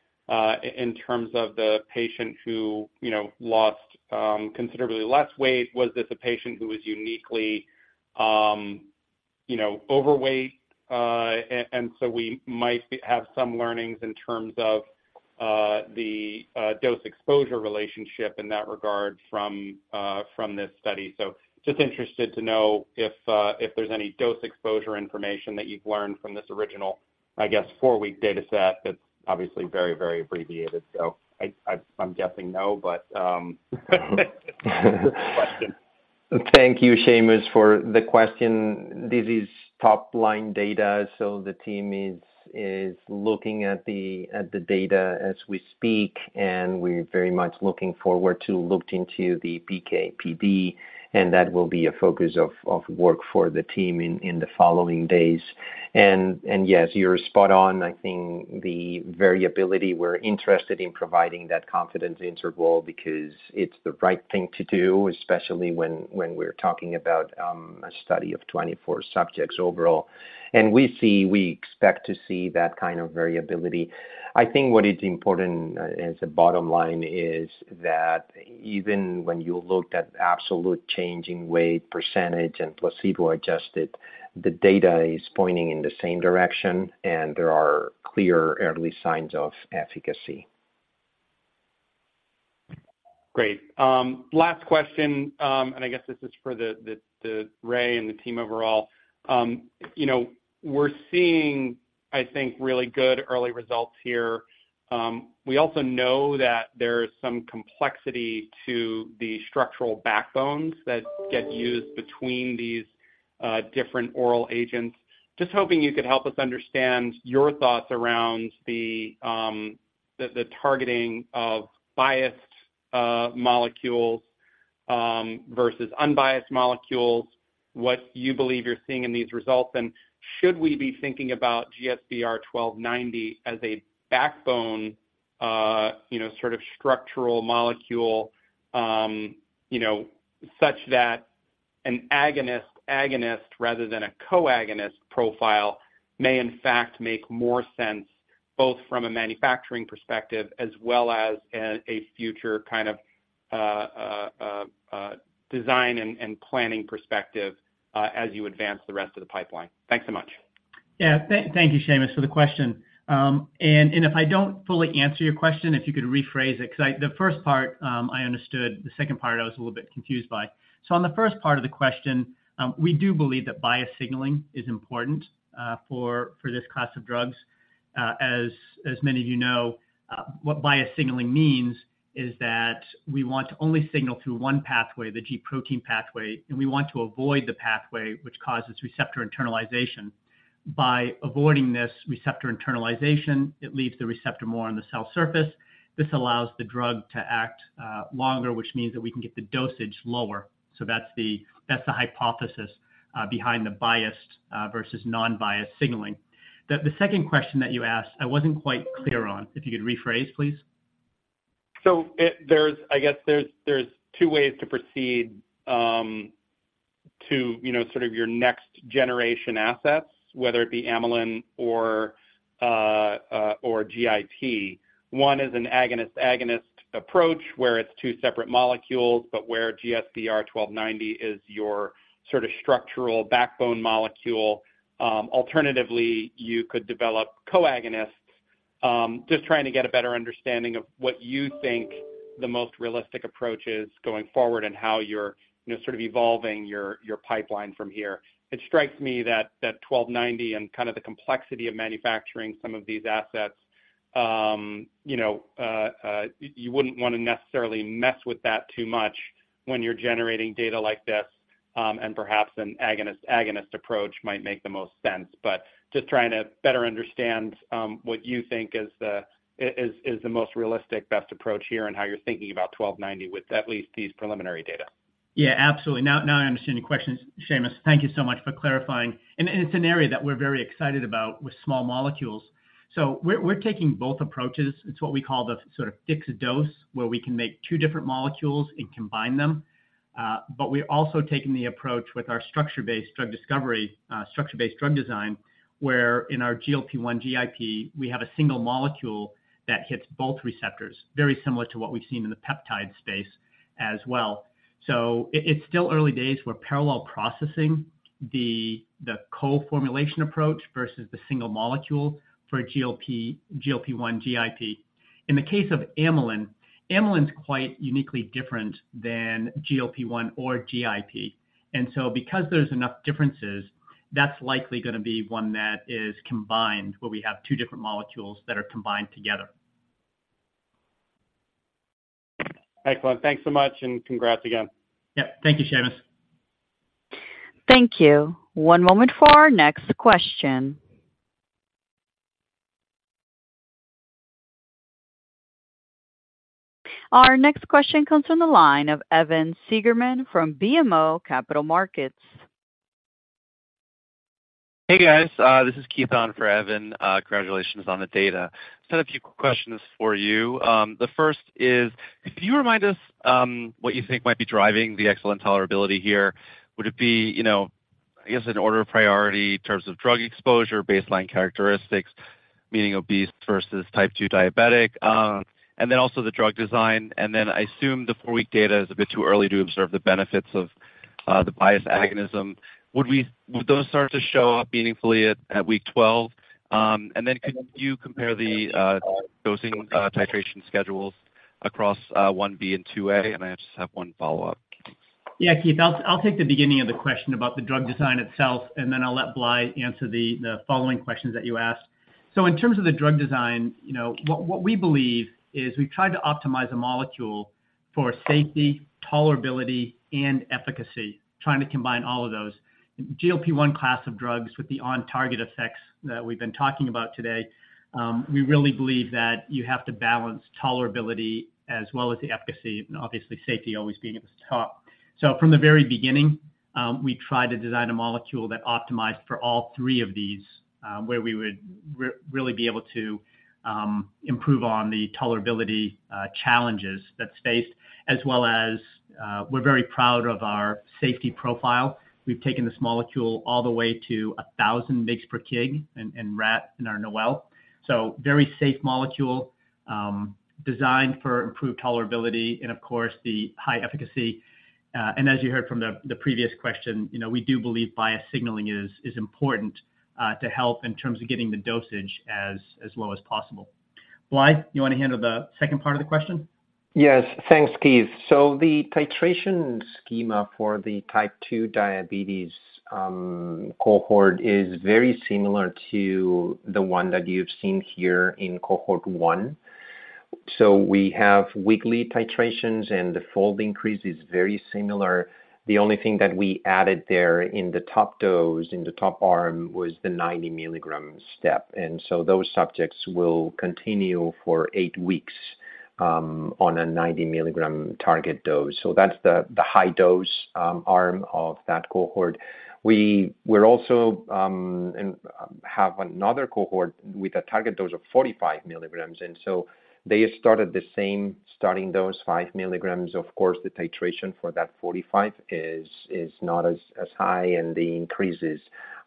Speaker 9: in terms of the patient who, you know, lost considerably less weight. Was this a patient who was uniquely, you know, overweight? And so we might have some learnings in terms of the dose-exposure relationship in that regard from this study. So just interested to know if there's any dose exposure information that you've learned from this original, I guess, four-week data set. That's obviously very, very abbreviated, so I'm guessing no, but question.
Speaker 4: Thank you, Seamus, for the question. This is top-line data, so the team is looking at the data as we speak, and we're very much looking forward to look into the PK/PD, and that will be a focus of work for the team in the following days. And yes, you're spot on. I think the variability, we're interested in providing that confidence interval because it's the right thing to do, especially when we're talking about a study of 24 subjects overall. And we see, we expect to see that kind of variability. I think what is important as a bottom line is that even when you looked at absolute change in weight percentage and placebo-adjusted, the data is pointing in the same direction, and there are clear early signs of efficacy.
Speaker 8: Great. Last question, and I guess this is for the Ray and the team overall. You know, we're seeing, I think, really good early results here. We also know that there is some complexity to the structural backbones that get used between these different oral agents. Just hoping you could help us understand your thoughts around the targeting of biased molecules versus unbiased molecules, what you believe you're seeing in these results, and should we be thinking about GSBR-1290 as a backbone, you know, sort of structural molecule, you know, such that an agonist-agonist rather than a co-agonist profile may, in fact, make more sense, both from a manufacturing perspective as well as a future kind of design and planning perspective, as you advance the rest of the pipeline? Thanks so much.
Speaker 3: Yeah. Thank you, Seamus, for the question. And if I don't fully answer your question, if you could rephrase it, 'cause the first part, I understood. The second part, I was a little bit confused by. So on the first part of the question, we do believe that biased signaling is important for this class of drugs. As many of you know, what biased signaling means is that we want to only signal through one pathway, the G protein pathway, and we want to avoid the pathway which causes receptor internalization. By avoiding this receptor internalization, it leaves the receptor more on the cell surface. This allows the drug to act longer, which means that we can get the dosage lower. So that's the hypothesis behind the biased versus non-biased signaling. The second question that you asked, I wasn't quite clear on. If you could rephrase, please.
Speaker 8: So there's, I guess, two ways to proceed, you know, sort of your next-generation assets, whether it be amylin or, or GIP. One is an agonist-agonist approach, where it's two separate molecules, but where GSBR-1290 is your sort of structural backbone molecule. Alternatively, you could develop co-agonists. Just trying to get a better understanding of what you think the most realistic approach is going forward and how you're, you know, sort of evolving your pipeline from here. It strikes me that 1290 and kind of the complexity of manufacturing some of these assets, you know, you wouldn't want to necessarily mess with that too much when you're generating data like this, and perhaps an agonist-agonist approach might make the most sense. Just trying to better understand what you think is the most realistic, best approach here and how you're thinking about 1290 with at least these preliminary data?...
Speaker 3: Yeah, absolutely. Now I understand your question, Seamus. Thank you so much for clarifying, and it's an area that we're very excited about with small molecules. So we're taking both approaches. It's what we call the sort of fixed dose, where we can make two different molecules and combine them. But we're also taking the approach with our structure-based drug discovery, structure-based drug design, where in our GLP-1/GIP, we have a single molecule that hits both receptors, very similar to what we've seen in the peptide space as well. So it's still early days. We're parallel processing the co-formulation approach versus the single molecule for GLP-1/GIP. In the case of amylin, amylin is quite uniquely different than GLP-1 or GIP, and so because there's enough differences, that's likely going to be one that is combined, where we have two different molecules that are combined together.
Speaker 8: Excellent. Thanks so much, and congrats again.
Speaker 3: Yep. Thank you, Seamus.
Speaker 1: Thank you. One moment for our next question. Our next question comes from the line of Evan Seigerman from BMO Capital Markets.
Speaker 10: Hey, guys. This is Keith on for Evan. Congratulations on the data. Just have a few questions for you. The first is, can you remind us what you think might be driving the excellent tolerability here? Would it be, you know, I guess, in order of priority in terms of drug exposure, baseline characteristics, meaning obese versus type 2 diabetic, and then also the drug design, and then I assume the four-week data is a bit too early to observe the benefits of the biased agonism. Would those start to show up meaningfully at week 12? And then could you compare the dosing titration schedules across 1b and 2a? And I just have one follow-up.
Speaker 3: Yeah, Keith, I'll take the beginning of the question about the drug design itself, and then I'll let Blai answer the following questions that you asked. So in terms of the drug design, you know, what we believe is we've tried to optimize a molecule for safety, tolerability, and efficacy, trying to combine all of those. GLP-1 class of drugs with the on-target effects that we've been talking about today, we really believe that you have to balance tolerability as well as the efficacy, and obviously safety always being at the top. So from the very beginning, we tried to design a molecule that optimized for all three of these, where we would really be able to improve on the tolerability challenges that's faced, as well as, we're very proud of our safety profile. We've taken this molecule all the way to 1000 mg per kg in rat in our NOAEL. So very safe molecule, designed for improved tolerability and of course, the high efficacy, and as you heard from the previous question, you know, we do believe biased signaling is important to help in terms of getting the dosage as low as possible. Blai, you want to handle the second part of the question?
Speaker 4: Yes. Thanks, Keith. The titration schema for the type 2 diabetes cohort is very similar to the one that you've seen here in cohort one. We have weekly titrations, and the fold increase is very similar. The only thing that we added there in the top dose, in the top arm, was the 90 mg step, and those subjects will continue for eight weeks on a 90 mg target dose. That's the high dose arm of that cohort. We're also, and have another cohort with a target dose of 45 mg, and they started the same, starting dose 5 mg. Of course, the titration for that 45 is not as high, and the increases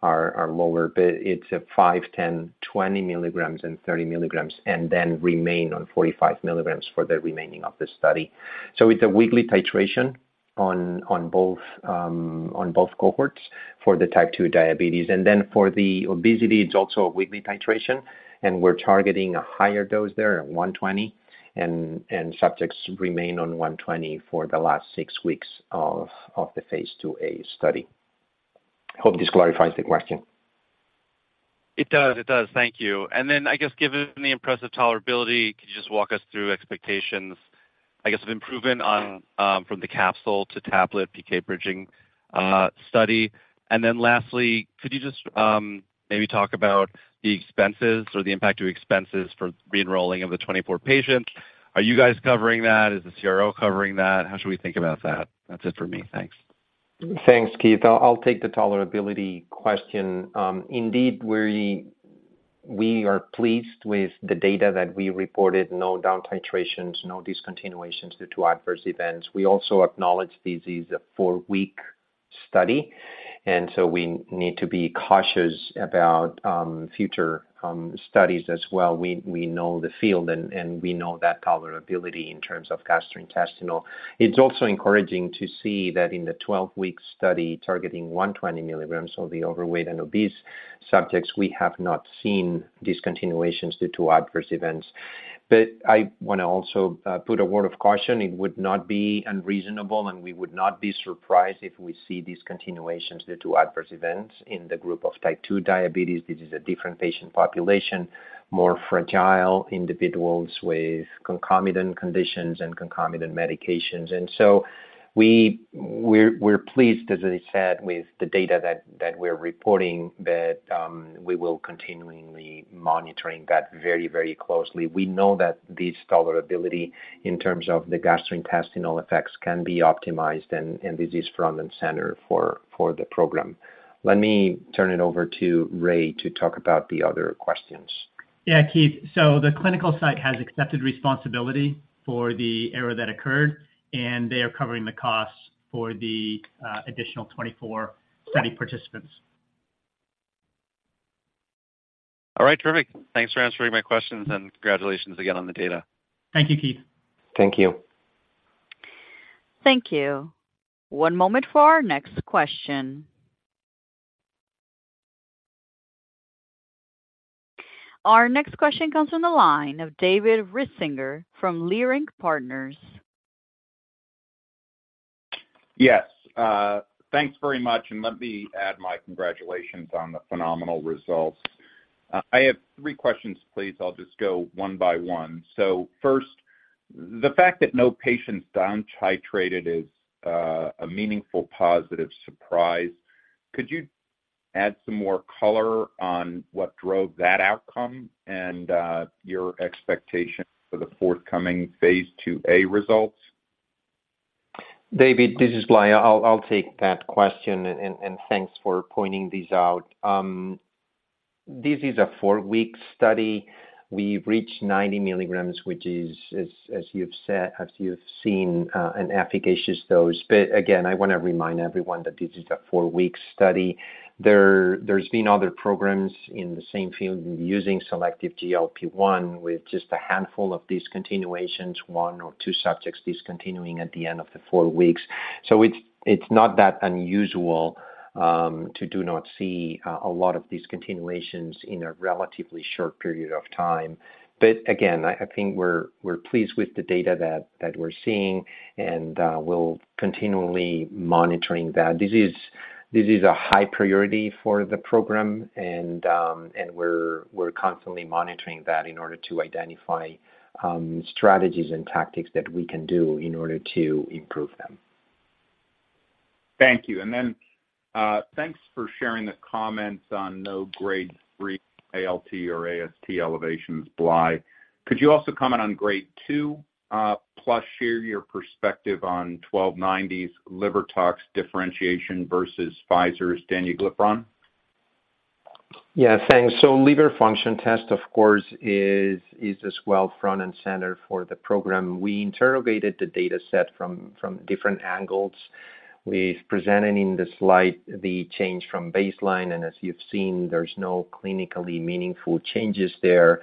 Speaker 4: are lower, but it's a 5 mg, 10 mg, 20 mg and 30 mg, and then remain on 45 mg for the remaining of the study. So it's a weekly titration on both cohorts for the type 2 diabetes, and then for the obesity, it's also a weekly titration, and we're targeting a higher dose there at 120, and subjects remain on 120 for the last six weeks of the phase IIa study. Hope this clarifies the question.
Speaker 10: It does. It does. Thank you. And then, I guess, given the impressive tolerability, could you just walk us through expectations, I guess, of improvement on, from the capsule to tablet PK bridging study? And then lastly, could you just, maybe talk about the expenses or the impact of expenses for re-enrolling of the 24 patients? Are you guys covering that? Is the CRO covering that? How should we think about that? That's it for me. Thanks.
Speaker 3: Thanks, Keith. I'll take the tolerability question. Indeed, we are pleased with the data that we reported, no down titrations, no discontinuations due to adverse events. We also acknowledge this is a four-week study, and so we need to be cautious about future studies as well. We know the field and we know that tolerability in terms of gastrointestinal. It's also encouraging to see that in the 12-week study, targeting 120 mg of the overweight and obese subjects, we have not seen discontinuations due to adverse events. But I want to also put a word of caution. It would not be unreasonable, and we would not be surprised if we see discontinuations due to adverse events in the group of type 2 diabetes. This is a different patient population, more fragile individuals with concomitant conditions and concomitant medications. And so we're pleased, as I said, with the data that we're reporting, but we will continually monitoring that very, very closely. We know that this tolerability, in terms of the gastrointestinal effects, can be optimized, and this is front and center for the program. Let me turn it over to Ray to talk about the other questions.... Yeah, Keith, so the clinical site has accepted responsibility for the error that occurred, and they are covering the costs for the additional 24 study participants.
Speaker 10: All right, terrific. Thanks for answering my questions, and congratulations again on the data.
Speaker 3: Thank you, Keith.
Speaker 4: Thank you.
Speaker 1: Thank you. One moment for our next question. Our next question comes from the line of David Risinger from Leerink Partners.
Speaker 11: Yes, thanks very much, and let me add my congratulations on the phenomenal results. I have three questions, please. I'll just go one by one. First, the fact that no patients down titrated is a meaningful positive surprise. Could you add some more color on what drove that outcome and your expectation for the forthcoming phase IIa results?
Speaker 4: David, this is Blai. I'll take that question, and thanks for pointing these out. This is a four-week study. We've reached 90 mg, which is, as you've said, as you've seen, an efficacious dose. But again, I want to remind everyone that this is a four-week study. There's been other programs in the same field using selective GLP-1 with just a handful of discontinuations, one or two subjects discontinuing at the end of the four weeks. So it's not that unusual to not see a lot of discontinuations in a relatively short period of time. But again, I think we're pleased with the data that we're seeing, and we'll continually monitor that. This is a high priority for the program, and we're constantly monitoring that in order to identify strategies and tactics that we can do in order to improve them.
Speaker 11: Thank you. Then, thanks for sharing the comments on no grade 3 ALT or AST elevations, Blai. Could you also comment on grade 2, plus share your perspective on 1290's liver tox differentiation versus Pfizer's danuglipron?
Speaker 4: Yeah, thanks. So liver function test, of course, is as well front and center for the program. We interrogated the dataset from different angles. We've presented in the slide the change from baseline, and as you've seen, there's no clinically meaningful changes there.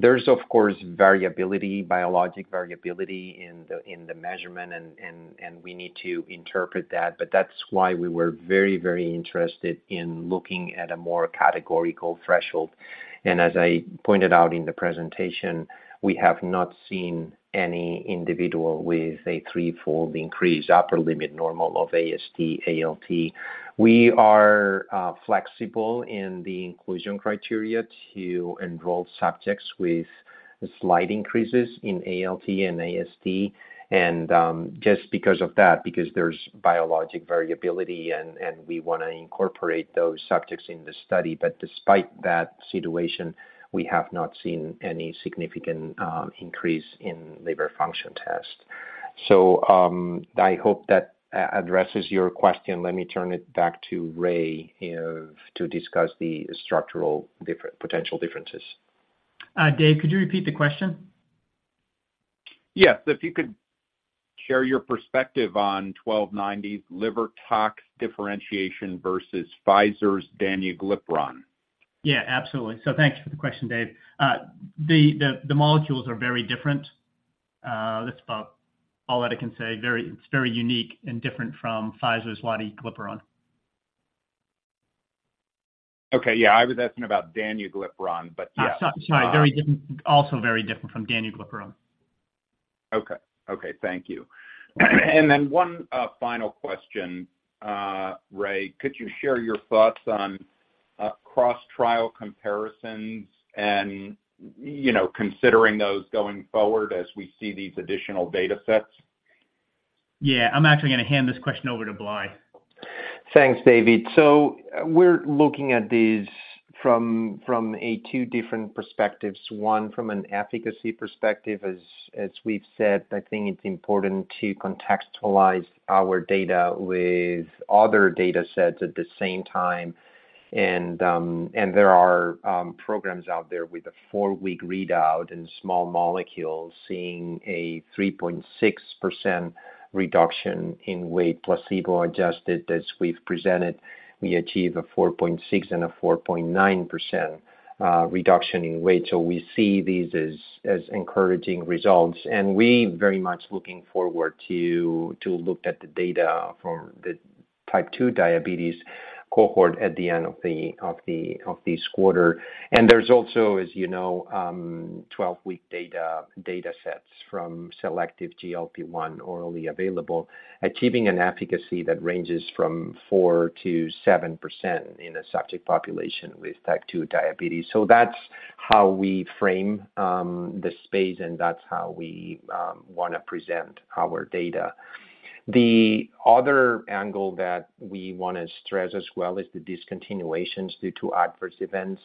Speaker 4: There's of course, variability, biologic variability in the measurement and we need to interpret that, but that's why we were very, very interested in looking at a more categorical threshold. And as I pointed out in the presentation, we have not seen any individual with a threefold increase, upper limit normal of AST, ALT. We are flexible in the inclusion criteria to enroll subjects with slight increases in ALT and AST. And just because of that, because there's biologic variability and we want to incorporate those subjects in the study. But despite that situation, we have not seen any significant increase in liver function test. So, I hope that addresses your question. Let me turn it back to Ray to discuss the structural potential differences.
Speaker 3: Dave, could you repeat the question?
Speaker 11: Yes. If you could share your perspective on 1290's liver tox differentiation versus Pfizer's danuglipron?
Speaker 3: Yeah, absolutely. So thank you for the question, Dave. The molecules are very different. That's about all that I can say. Very... It's very unique and different from Pfizer's lotiglipron.
Speaker 11: Okay, yeah, I was asking about danuglipron, but yeah.
Speaker 3: Sorry, very different. Also very different from danuglipron.
Speaker 11: Okay. Okay, thank you. And then one final question, Ray, could you share your thoughts on cross trial comparisons and, you know, considering those going forward as we see these additional datasets?
Speaker 3: Yeah, I'm actually going to hand this question over to Blai.
Speaker 4: Thanks, David. So we're looking at these from two different perspectives. One, from an efficacy perspective. As we've said, I think it's important to contextualize our data with other datasets at the same time. And there are programs out there with a four-week readout and small molecules seeing a 3.6% reduction in weight, placebo-adjusted. As we've presented, we achieve a 4.6% and a 4.9% reduction in weight. So we see these as encouraging results, and we very much looking forward to look at the data from the type 2 diabetes cohort at the end of this quarter. There's also, as you know, 12-week datasets from selective GLP-1 orally available, achieving an efficacy that ranges from 4%-7% in a subject population with type 2 diabetes. So that's how we frame the space, and that's how we want to present our data. The other angle that we want to stress as well is the discontinuations due to adverse events.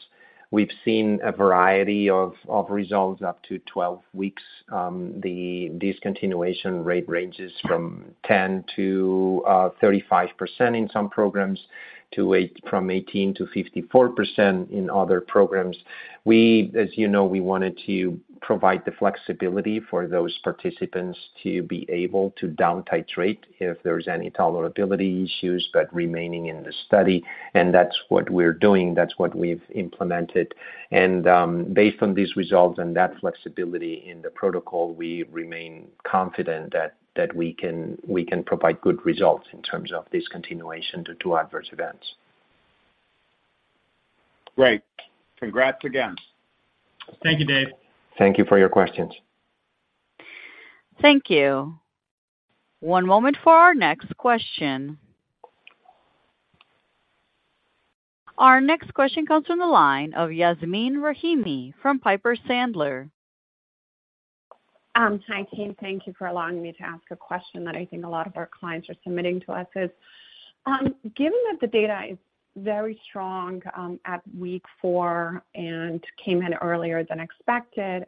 Speaker 4: We've seen a variety of results up to 12 weeks. The discontinuation rate ranges from 10%-35% in some programs, from 18%-54% in other programs. We, as you know, wanted to provide the flexibility for those participants to be able to down titrate if there's any tolerability issues, but remaining in the study. That's what we're doing, that's what we've implemented. Based on these results and that flexibility in the protocol, we remain confident that we can provide good results in terms of this continuation due to adverse events.
Speaker 11: Great. Congrats again.
Speaker 3: Thank you, Dave.
Speaker 4: Thank you for your questions.
Speaker 1: Thank you. One moment for our next question. Our next question comes from the line of Yasmeen Rahimi from Piper Sandler.
Speaker 7: Hi, team. Thank you for allowing me to ask a question that I think a lot of our clients are submitting to us is: Given that the data is very strong at week four and came in earlier than expected,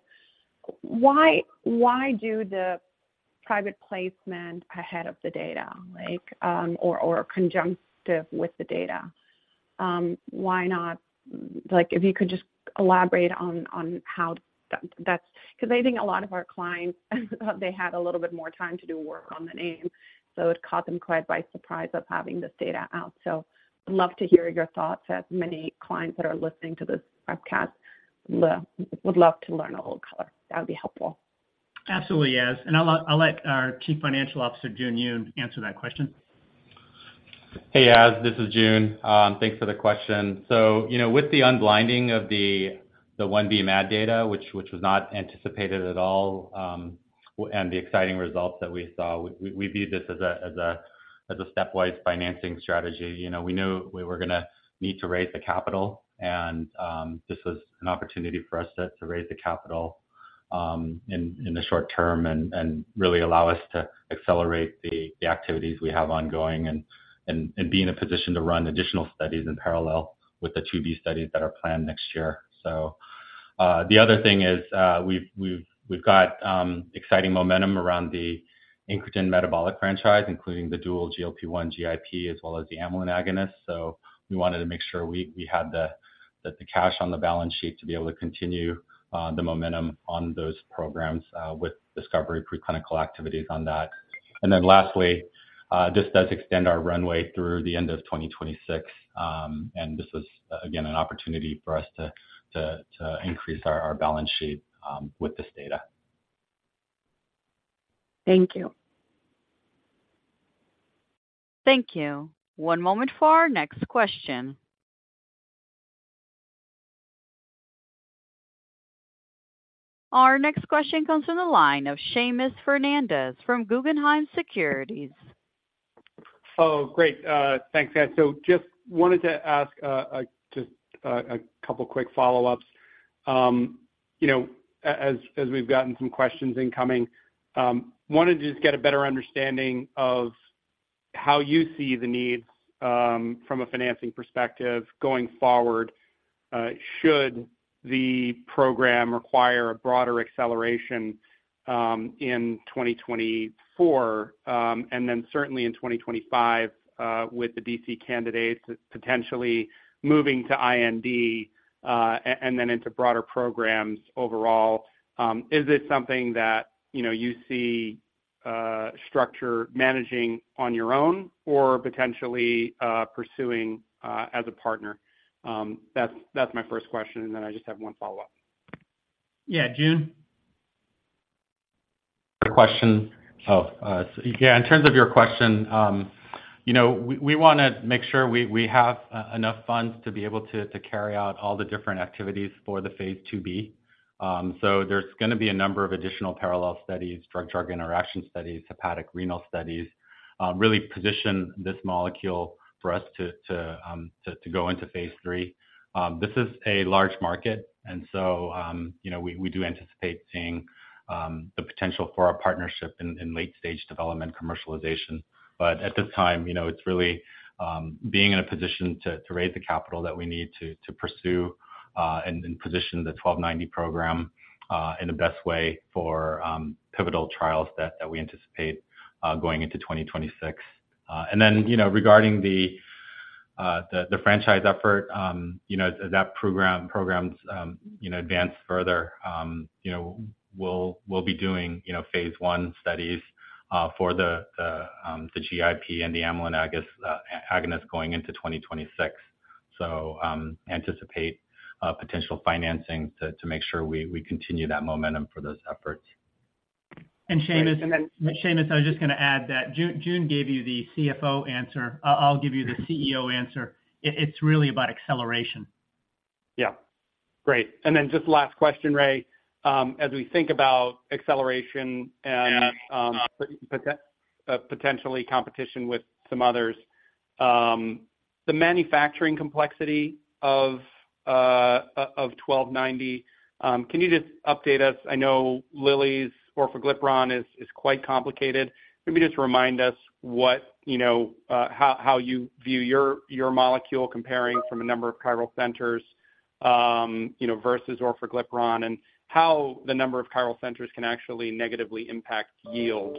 Speaker 7: why do the private placement ahead of the data? Like, or conjunctive with the data. Why not? Like, if you could just elaborate on how that's... Because I think a lot of our clients, they had a little bit more time to do work on the name, so it caught them quite by surprise of having this data out. So I'd love to hear your thoughts, as many clients that are listening to this webcast would love to learn a little color. That would be helpful.
Speaker 3: Absolutely, Yas. I'll, I'll let our Chief Financial Officer, Jun Yoon, answer that question.
Speaker 12: Hey, Yas, this is Jun. Thanks for the question. So, you know, with the unblinding of the 1b MAD data, which was not anticipated at all, and the exciting results that we saw, we view this as a stepwise financing strategy. You know, we knew we were gonna need to raise the capital, and this was an opportunity for us to raise the capital in the short term and really allow us to accelerate the activities we have ongoing and be in a position to run additional studies in parallel with the 2b studies that are planned next year. So, the other thing is, we've got exciting momentum around the incretin metabolic franchise, including the dual GLP-1/GIP, as well as the amylin agonist. So we wanted to make sure we had the cash on the balance sheet to be able to continue the momentum on those programs with discovery preclinical activities on that. And then lastly, this does extend our runway through the end of 2026. And this is, again, an opportunity for us to increase our balance sheet with this data.
Speaker 7: Thank you.
Speaker 1: Thank you. One moment for our next question. Our next question comes from the line of Seamus Fernandez from Guggenheim Securities.
Speaker 8: Oh, great. Thanks, Yas. So just wanted to ask, just a couple quick follow-ups. You know, as we've gotten some questions incoming, wanted to just get a better understanding of how you see the needs from a financing perspective going forward, should the program require a broader acceleration in 2024, and then certainly in 2025, with the DC candidates potentially moving to IND, and then into broader programs overall, is this something that, you know, you see Structure managing on your own or potentially pursuing as a partner? That's my first question, and then I just have one follow-up.
Speaker 3: Yeah. Jun?
Speaker 12: Oh, yeah, in terms of your question, you know, we wanna make sure we have enough funds to be able to carry out all the different activities for the phase 2b. So there's gonna be a number of additional parallel studies, drug-drug interaction studies, hepatic renal studies, really position this molecule for us to go into phase III. This is a large market, and so, you know, we do anticipate seeing the potential for a partnership in late-stage development commercialization. But at this time, you know, it's really being in a position to raise the capital that we need to pursue and position the 1290 program in the best way for pivotal trials that we anticipate going into 2026. And then, you know, regarding the franchise effort, you know, as that program advances further, you know, we'll be doing, you know, phase I studies for the GIP and the amylin agonist going into 2026. So, anticipate potential financing to make sure we continue that momentum for those efforts.
Speaker 3: Seamus, I was just gonna add that Jun gave you the CFO answer. I'll give you the CEO answer. It's really about acceleration.
Speaker 8: Yeah. Great. And then just last question, Ray. As we think about acceleration and potentially competition with some others, the manufacturing complexity of 1290, can you just update us? I know Lilly's orforglipron is quite complicated. Maybe just remind us what, you know, how you view your molecule comparing from a number of chiral centers, you know, versus orforglipron, and how the number of chiral centers can actually negatively impact yield,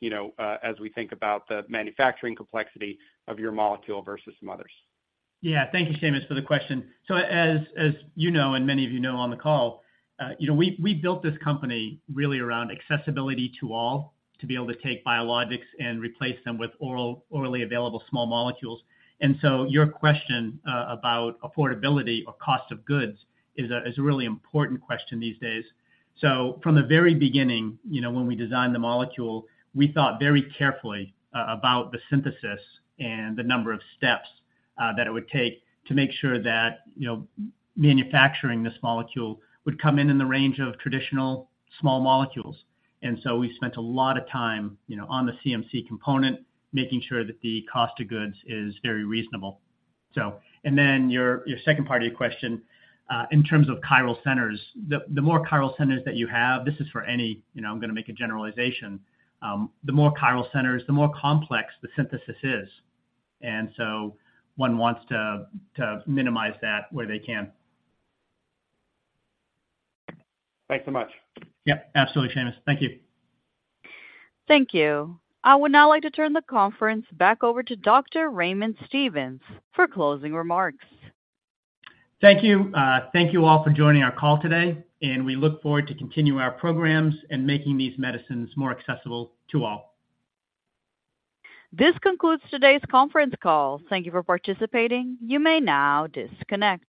Speaker 8: you know, as we think about the manufacturing complexity of your molecule versus some others.
Speaker 3: Yeah. Thank you, Seamus, for the question. So as, as you know, and many of you know on the call, you know, we, we built this company really around accessibility to all, to be able to take biologics and replace them with orally available small molecules. And so your question, about affordability or cost of goods is a, is a really important question these days. So from the very beginning, you know, when we designed the molecule, we thought very carefully about the synthesis and the number of steps, that it would take to make sure that, you know, manufacturing this molecule would come in, in the range of traditional small molecules. And so we spent a lot of time, you know, on the CMC component, making sure that the cost of goods is very reasonable. And then your second part of your question, in terms of chiral centers, the more chiral centers that you have, this is for any. You know, I'm gonna make a generalization. The more chiral centers, the more complex the synthesis is, and so one wants to minimize that where they can.
Speaker 8: Thanks so much.
Speaker 3: Yep, absolutely, Seamus. Thank you.
Speaker 1: Thank you. I would now like to turn the conference back over to Dr. Raymond Stevens for closing remarks.
Speaker 3: Thank you. Thank you all for joining our call today, and we look forward to continuing our programs and making these medicines more accessible to all.
Speaker 1: This concludes today's conference call. Thank you for participating. You may now disconnect.